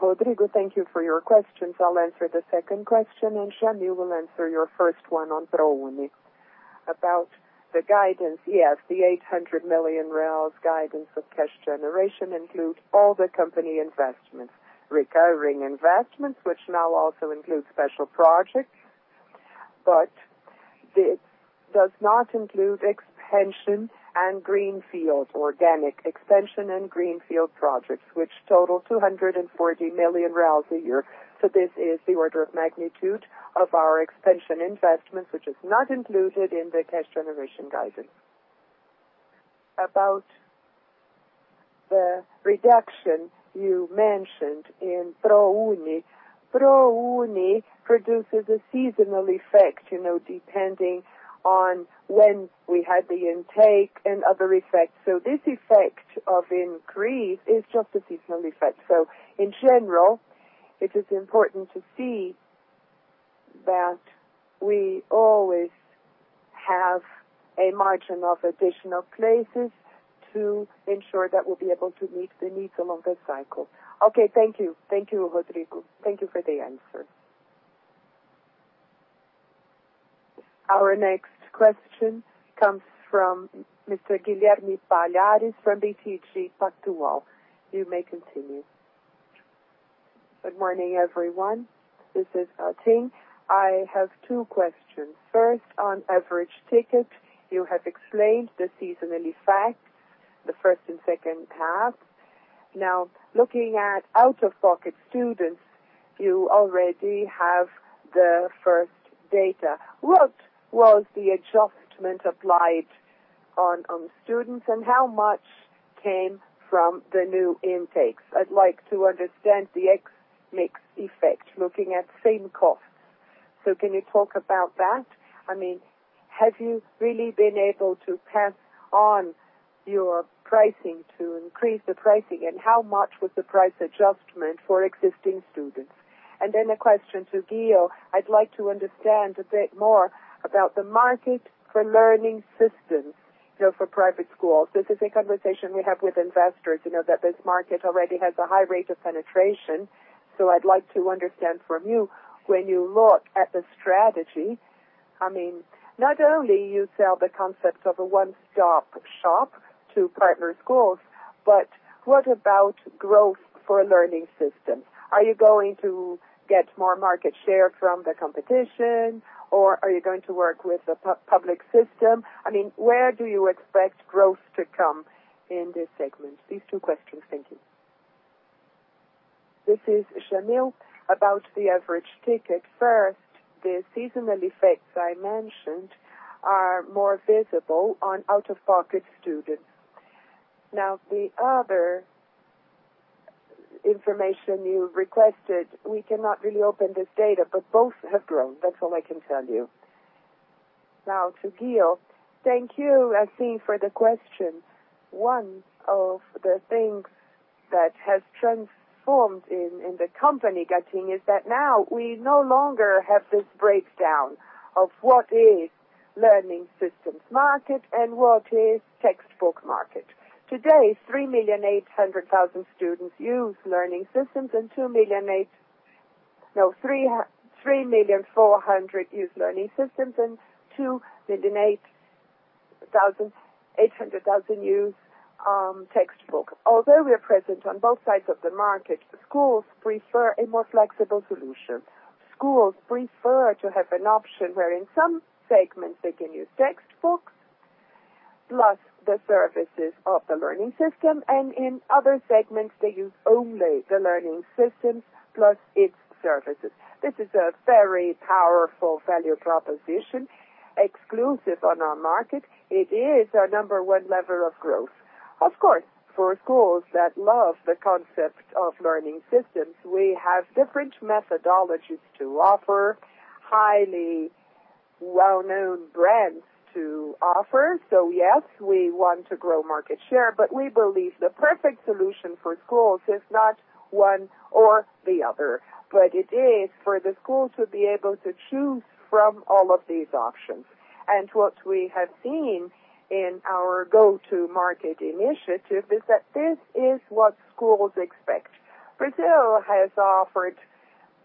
Rodrigo. Thank you for your questions. I'll answer the second question, and Jamil, you will answer your first one on ProUni. About the guidance, yes, the 800 million guidance of cash generation includes all the company investments. Recurring investments, which now also includes special projects. This does not include expansion and greenfield, organic expansion and greenfield projects, which total 240 million a year. This is the order of magnitude of our expansion investments, which is not included in the cash generation guidance. The reduction you mentioned in ProUni. ProUni produces a seasonal effect, depending on when we had the intake and other effects. This effect of increase is just a seasonal effect. In general, it is important to see that we always have a margin of additional places to ensure that we'll be able to meet the needs along the cycle. Okay, thank you. Thank you, Rodrigo. Thank you for the answer. Our next question comes from Guilherme Palhares from BTG Pactual. You may continue. Good morning, everyone. This is Katty. I have two questions. First, on average ticket, you have explained the seasonal effect, the first and second half. Looking at out-of-pocket students, you already have the first data. What was the adjustment applied on students, and how much came from the new intakes? I'd like to understand the X mix effect, looking at same costs. Can you talk about that? Have you really been able to pass on your pricing to increase the pricing, and how much was the price adjustment for existing students? A question to Gil. I'd like to understand a bit more about the market for learning systems for private schools. This is a conversation we have with investors, that this market already has a high rate of penetration. I'd like to understand from you, when you look at the strategy, not only you sell the concept of a one-stop shop to partner schools, but what about growth for a learning system? Are you going to get more market share from the competition, or are you going to work with the public system? Where do you expect growth to come in this segment? These two questions. Thank you. This is Jamil. About the average ticket. First, the seasonal effects I mentioned are more visible on out-of-pocket students. The other information you requested, we cannot really open this data, but both have grown. That's all I can tell you. To Gil. Thank you, Katty, for the question. One of the things that has transformed in the company, Katty, is that now we no longer have this breakdown of what is learning systems market and what is textbook market. Today, 3,400,000 use learning systems and 2,800,000 use textbooks. Although we are present on both sides of the market, schools prefer a more flexible solution. Schools prefer to have an option where in some segments they can use textbooks plus the services of the learning system, and in other segments, they use only the learning systems plus its services. This is a very powerful value proposition, exclusive on our market. It is our number one lever of growth. Of course, for schools that love the concept of learning systems, we have different methodologies to offer, highly well-known brands to offer. Yes, we want to grow market share, but we believe the perfect solution for schools is not one or the other, but it is for the school to be able to choose from all of these options. What we have seen in our go-to market initiative is that this is what schools expect. Brazil has offered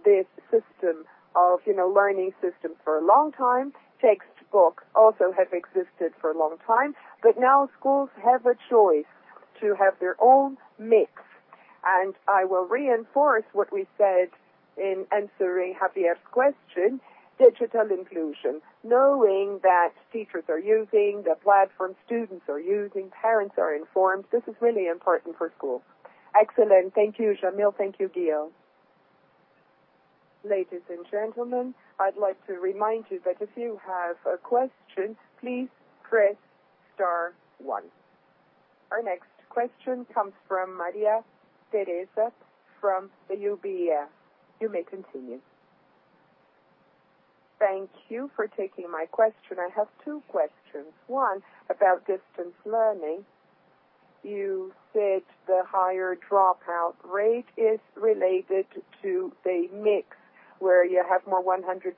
this system of learning system for a long time. Textbooks also have existed for a long time, but now schools have a choice to have their own mix. I will reinforce what we said in answering Javier's question, digital inclusion. Knowing that teachers are using the platform, students are using, parents are informed, this is really important for schools. Excellent. Thank you, Jamil. Thank you, Gil. Ladies and gentlemen, I'd like to remind you that if you have a question, please press star one. Our next question comes from Maria Tereza from the UBS. You may continue. Thank you for taking my question. I have two questions. One, about distance learning. You said the higher dropout rate is related to the mix, where you have more 100%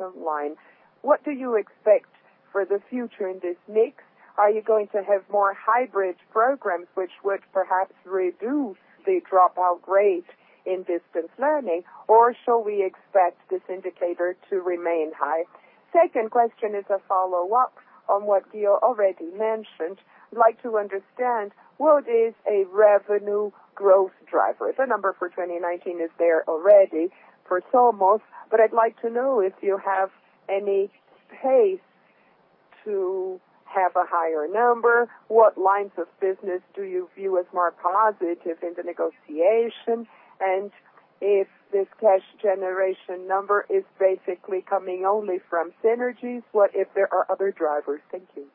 online. What do you expect for the future in this mix? Are you going to have more hybrid programs, which would perhaps reduce the dropout rate in distance learning? Or shall we expect this indicator to remain high? Second question is a follow-up on what Gil already mentioned. I'd like to understand what is a revenue growth driver. The number for 2019 is there already for Somos, but I'd like to know if you have any pace to have a higher number. What lines of business do you view as more positive in the negotiation, and if this cash generation number is basically coming only from synergies, what if there are other drivers? Thank you.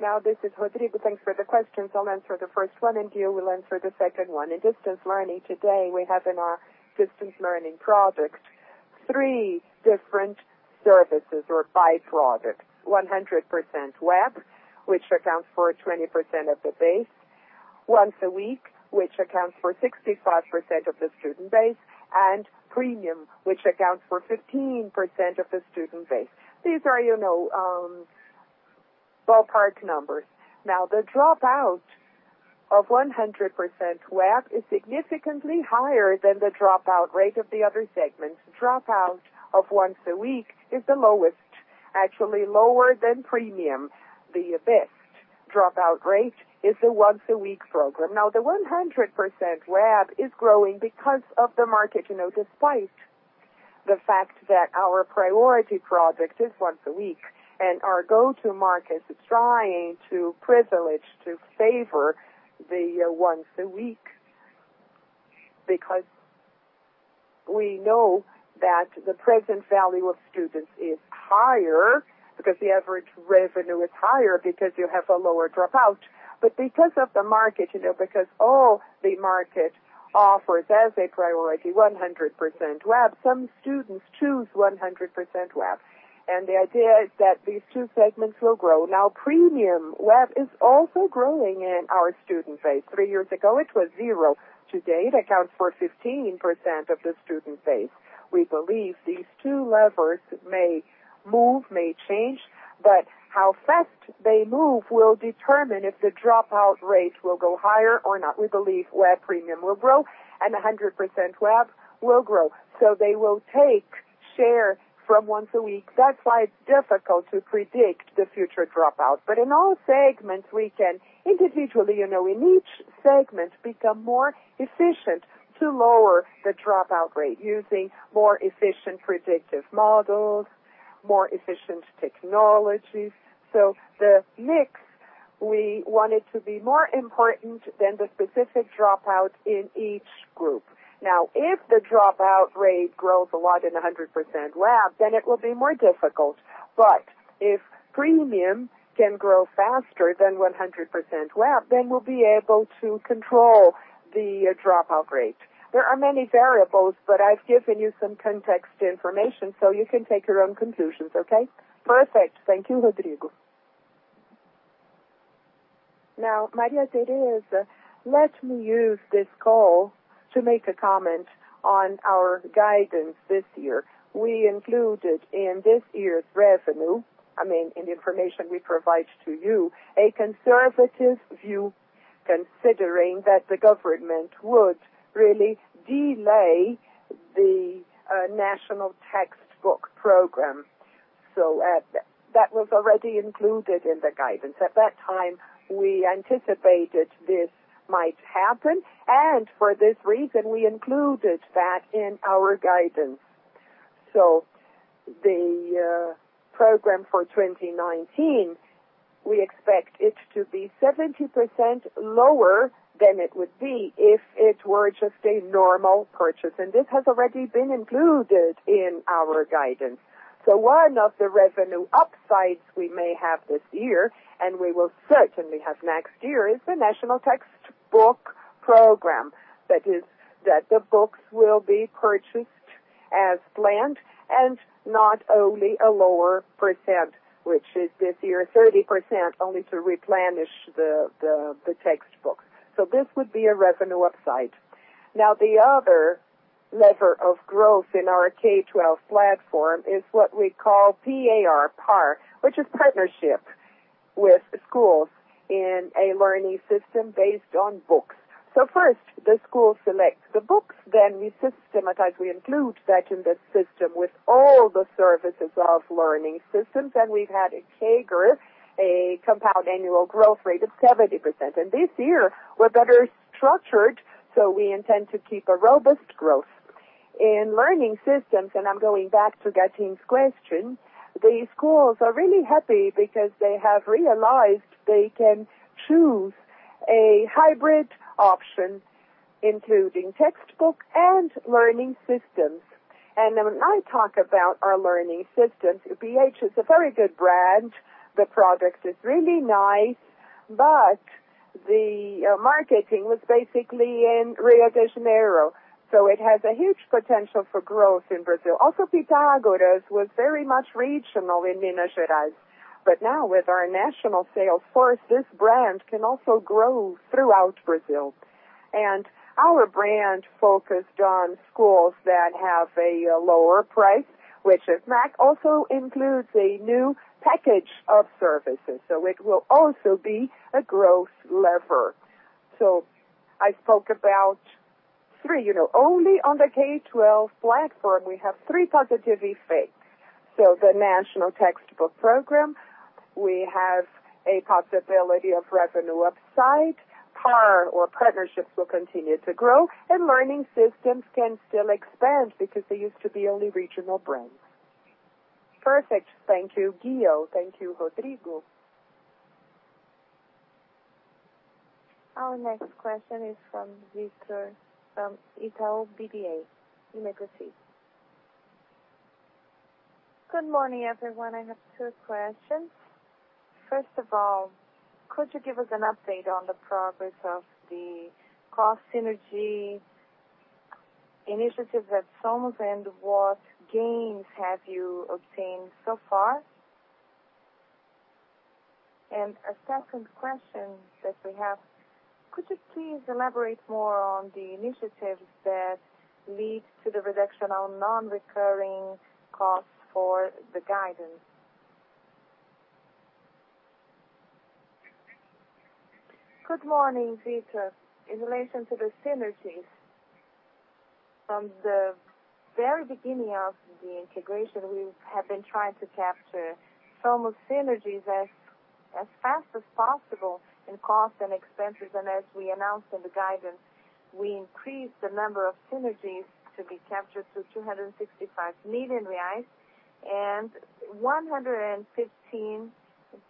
Now this is Rodrigo. Thanks for the questions. I'll answer the first one, and Ghio will answer the second one. In distance learning today, we have in our distance learning project three different services or five projects, 100% web, which accounts for 20% of the base, once a week, which accounts for 65% of the student base, and premium, which accounts for 15% of the student base. These are ballpark numbers. The dropout of 100% web is significantly higher than the dropout rate of the other segments. Dropout of once a week is the lowest, actually lower than premium. The best dropout rate is the once-a-week program. The 100% web is growing because of the market despite the fact that our priority project is once a week, and our go-to market is trying to privilege, to favor the once a week. We know that the present value of students is higher because the average revenue is higher, because you have a lower dropout. Because of the market, because all the market offers as a priority 100% web, some students choose 100% web. The idea is that these two segments will grow. Premium web is also growing in our student base. Three years ago, it was zero. Today, it accounts for 15% of the student base. We believe these two levers may move, may change, but how fast they move will determine if the dropout rate will go higher or not. We believe web premium will grow, and 100% web will grow. They will take share from once a week. That's why it's difficult to predict the future dropout. In all segments, we can individually, in each segment, become more efficient to lower the dropout rate using more efficient predictive models, more efficient technologies. The mix, we want it to be more important than the specific dropout in each group. If the dropout rate grows a lot in 100% web, then it will be more difficult. If premium can grow faster than 100% web, then we'll be able to control the dropout rate. There are many variables, but I've given you some context information so you can take your own conclusions, okay? Perfect. Thank you, Rodrigo. Maria Tereza, let me use this call to make a comment on our guidance this year. We included in this year's revenue, I mean, in the information we provide to you, a conservative view, considering that the government would really delay the National Textbook Program. That was already included in the guidance. At that time, we anticipated this might happen, and for this reason, we included that in our guidance. The program for 2019, we expect it to be 70% lower than it would be if it were just a normal purchase, and this has already been included in our guidance. One of the revenue upsides we may have this year, and we will certainly have next year, is the National Textbook Program. That is, that the books will be purchased as planned and not only a lower percent, which is this year, 30%, only to replenish the textbook. This would be a revenue upside. The other lever of growth in our K-12 platform is what we call P-A-R, PAR, which is partnership with schools in a learning system based on books. First, the school selects the books, then we systematize, we include that in the system with all the services of learning systems. We've had a CAGR, a compound annual growth rate of 70%. This year, we're better structured, so we intend to keep a robust growth. In learning systems, and I'm going back to Katty's question, the schools are really happy because they have realized they can choose a hybrid option, including textbook and learning systems. When I talk about our learning systems, BH is a very good brand. The product is really nice, but the marketing was basically in Rio de Janeiro, so it has a huge potential for growth in Brazil. Also, Pitágoras was very much regional in Minas Gerais. But now with our national sales force, this brand can also grow throughout Brazil. And our brand focused on schools that have a lower price, which is Maxi, also includes a new package of services. It will also be a growth lever. I spoke about three. Only on the K12 platform, we have three positive effects. The National Textbook Program, we have a possibility of revenue upside. PAR, or partnerships, will continue to grow, and learning systems can still expand because they used to be only regional brands. Perfect. Thank you, Ghio. Thank you, Rodrigo. Our next question is from Victor from Itaú BBA. You may proceed. Good morning, everyone. I have two questions. First of all, could you give us an update on the progress of the cost synergy initiative at Somos, and what gains have you obtained so far? And a second question that we have, could you please elaborate more on the initiatives that lead to the reduction of non-recurring costs for the guidance? Good morning, Victor. In relation to the synergies, from the very beginning of the integration, we have been trying to capture some synergies as fast as possible in costs and expenses. And as we announced in the guidance, we increased the number of synergies to be captured to 265 million reais, and 115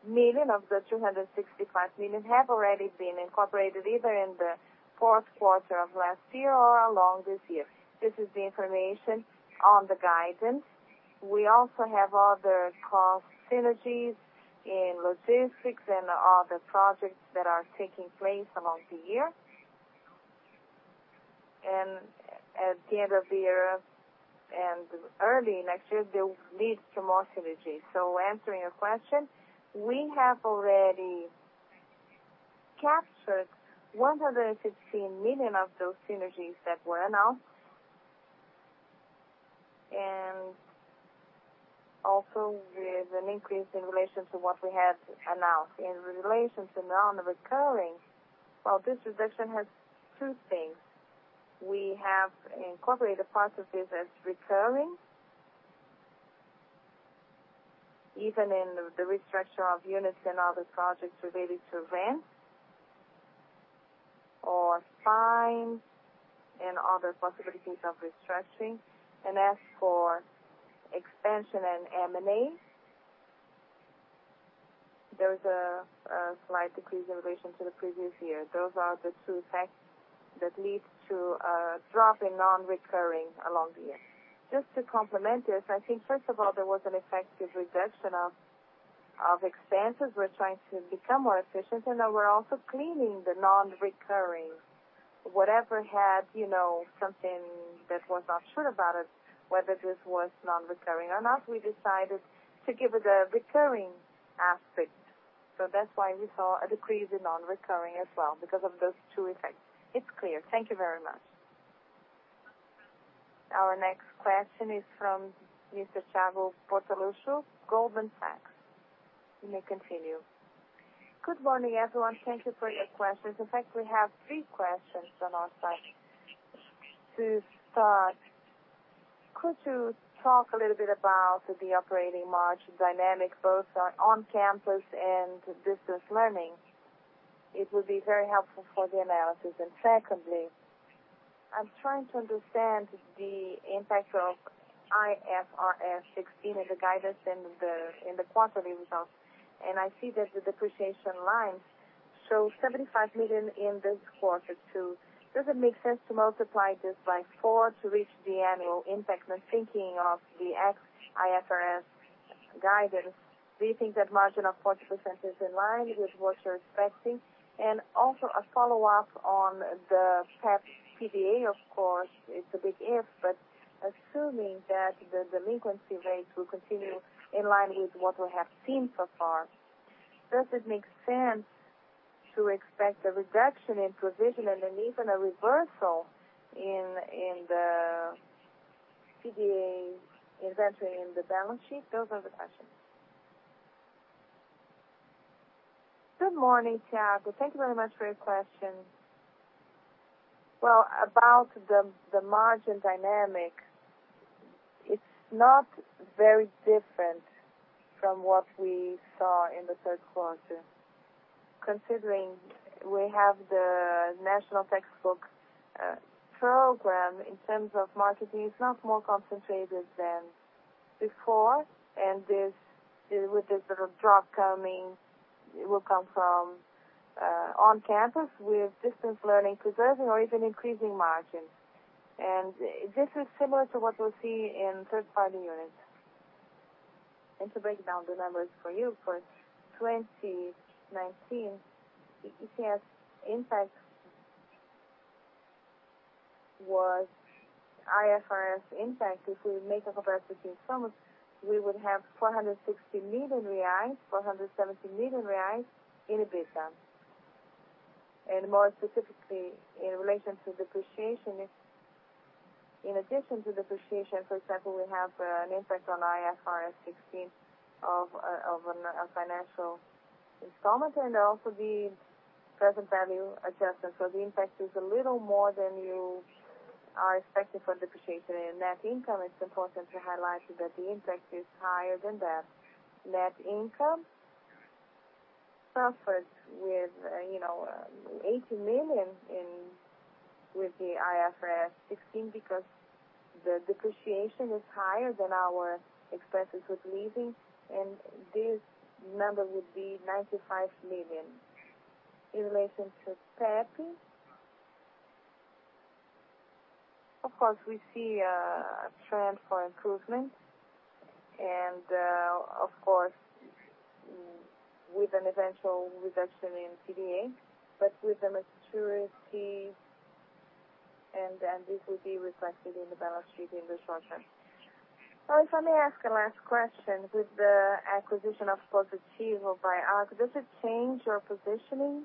million of the 265 million have already been incorporated, either in the fourth quarter of last year or along this year. This is the information on the guidance. We also have other cost synergies in logistics and other projects that are taking place along the year. And at the end of the year and early next year, they will lead to more synergies. Answering your question, we have already captured 116 million of those synergies that were announced. And also with an increase in relation to what we had announced. In relation to non-recurring, well, this reduction has two things. We have incorporated part of this as recurring, even in the restructure of units and other projects related to rent or fines and other possibilities of restructuring. And as for expansion and M&As, there is a slight decrease in relation to the previous year. Those are the two effects that lead to a drop in non-recurring along the year. Just to complement this, I think first of all, there was an effective reduction of expenses. We're trying to become more efficient, and then we're also cleaning the non-recurring. Whatever had something that was not sure about it, whether this was non-recurring or not, we decided to give it a recurring aspect. That's why we saw a decrease in non-recurring as well, because of those two effects. It's clear. Thank you very much. Our next question is from Mr. Thiago Bortoluci, Goldman Sachs. You may continue. Good morning, everyone. Thank you for your questions. In fact, we have three questions on our side. To start, could you talk a little bit about the operating margin dynamics, both on campus and distance learning? It would be very helpful for the analysis. Secondly, I am trying to understand the impact of IFRS 16 as a guidance in the quarter results. I see that the depreciation line shows 75 million in this quarter too. Does it make sense to multiply this by four to reach the annual impact when thinking of the ex-IFRS guidance? Do you think that margin of 40% is in line with what you are expecting? Also a follow-up on the PEPs PDA, of course, it is a big if, but assuming that the delinquency rates will continue in line with what we have seen so far, does it make sense to expect a reduction in provision and even a reversal in the PDA inventory in the balance sheet? Those are the questions. Good morning, Thiago. Thank you very much for your question. Well, about the margin dynamic, it is not very different from what we saw in the third quarter. Considering we have the national textbook program in terms of marketing, it is not more concentrated than before. With this sort of drop coming, it will come from on campus, with distance learning preserving or even increasing margins. This is similar to what we see in third-party units. To break down the numbers for you, for 2019, the impact was IFRS impact. If we make a comparison with Somos, we would have 460 million reais, 470 million reais in EBITDA. More specifically, in relation to depreciation, in addition to depreciation, for example, we have an impact on IFRS 16 of a financial installment, and also the present value adjustment. So the impact is a little more than you are expecting for depreciation. Net income, it is important to highlight that the impact is higher than that. Net income suffered with 80 million with the IFRS 16 because the depreciation is higher than our expenses with leasing, and this number would be 95 million. In relation to PEPs, of course, we see a trend for improvement and, of course, with an eventual reduction in PDA, but with a maturity, then this will be reflected in the balance sheet in the short term. If I may ask a last question. With the acquisition of Positivo by Arco, does it change your positioning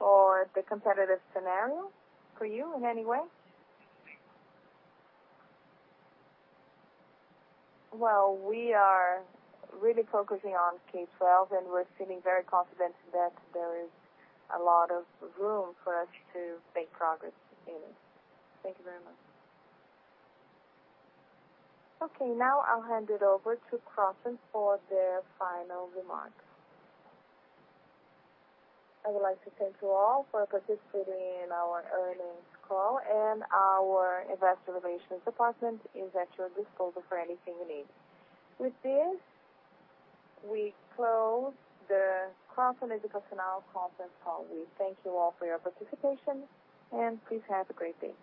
or the competitive scenario for you in any way? Well, we are really focusing on K-12, and we are feeling very confident that there is a lot of room for us to make progress in it. Thank you very much. Okay, now I will hand it over to Cogna for their final remarks. I would like to thank you all for participating in our earnings call, and our Investor Relations department is at your disposal for anything you need. With this, we close the Cogna Educação conference call. We thank you all for your participation. Please have a great day.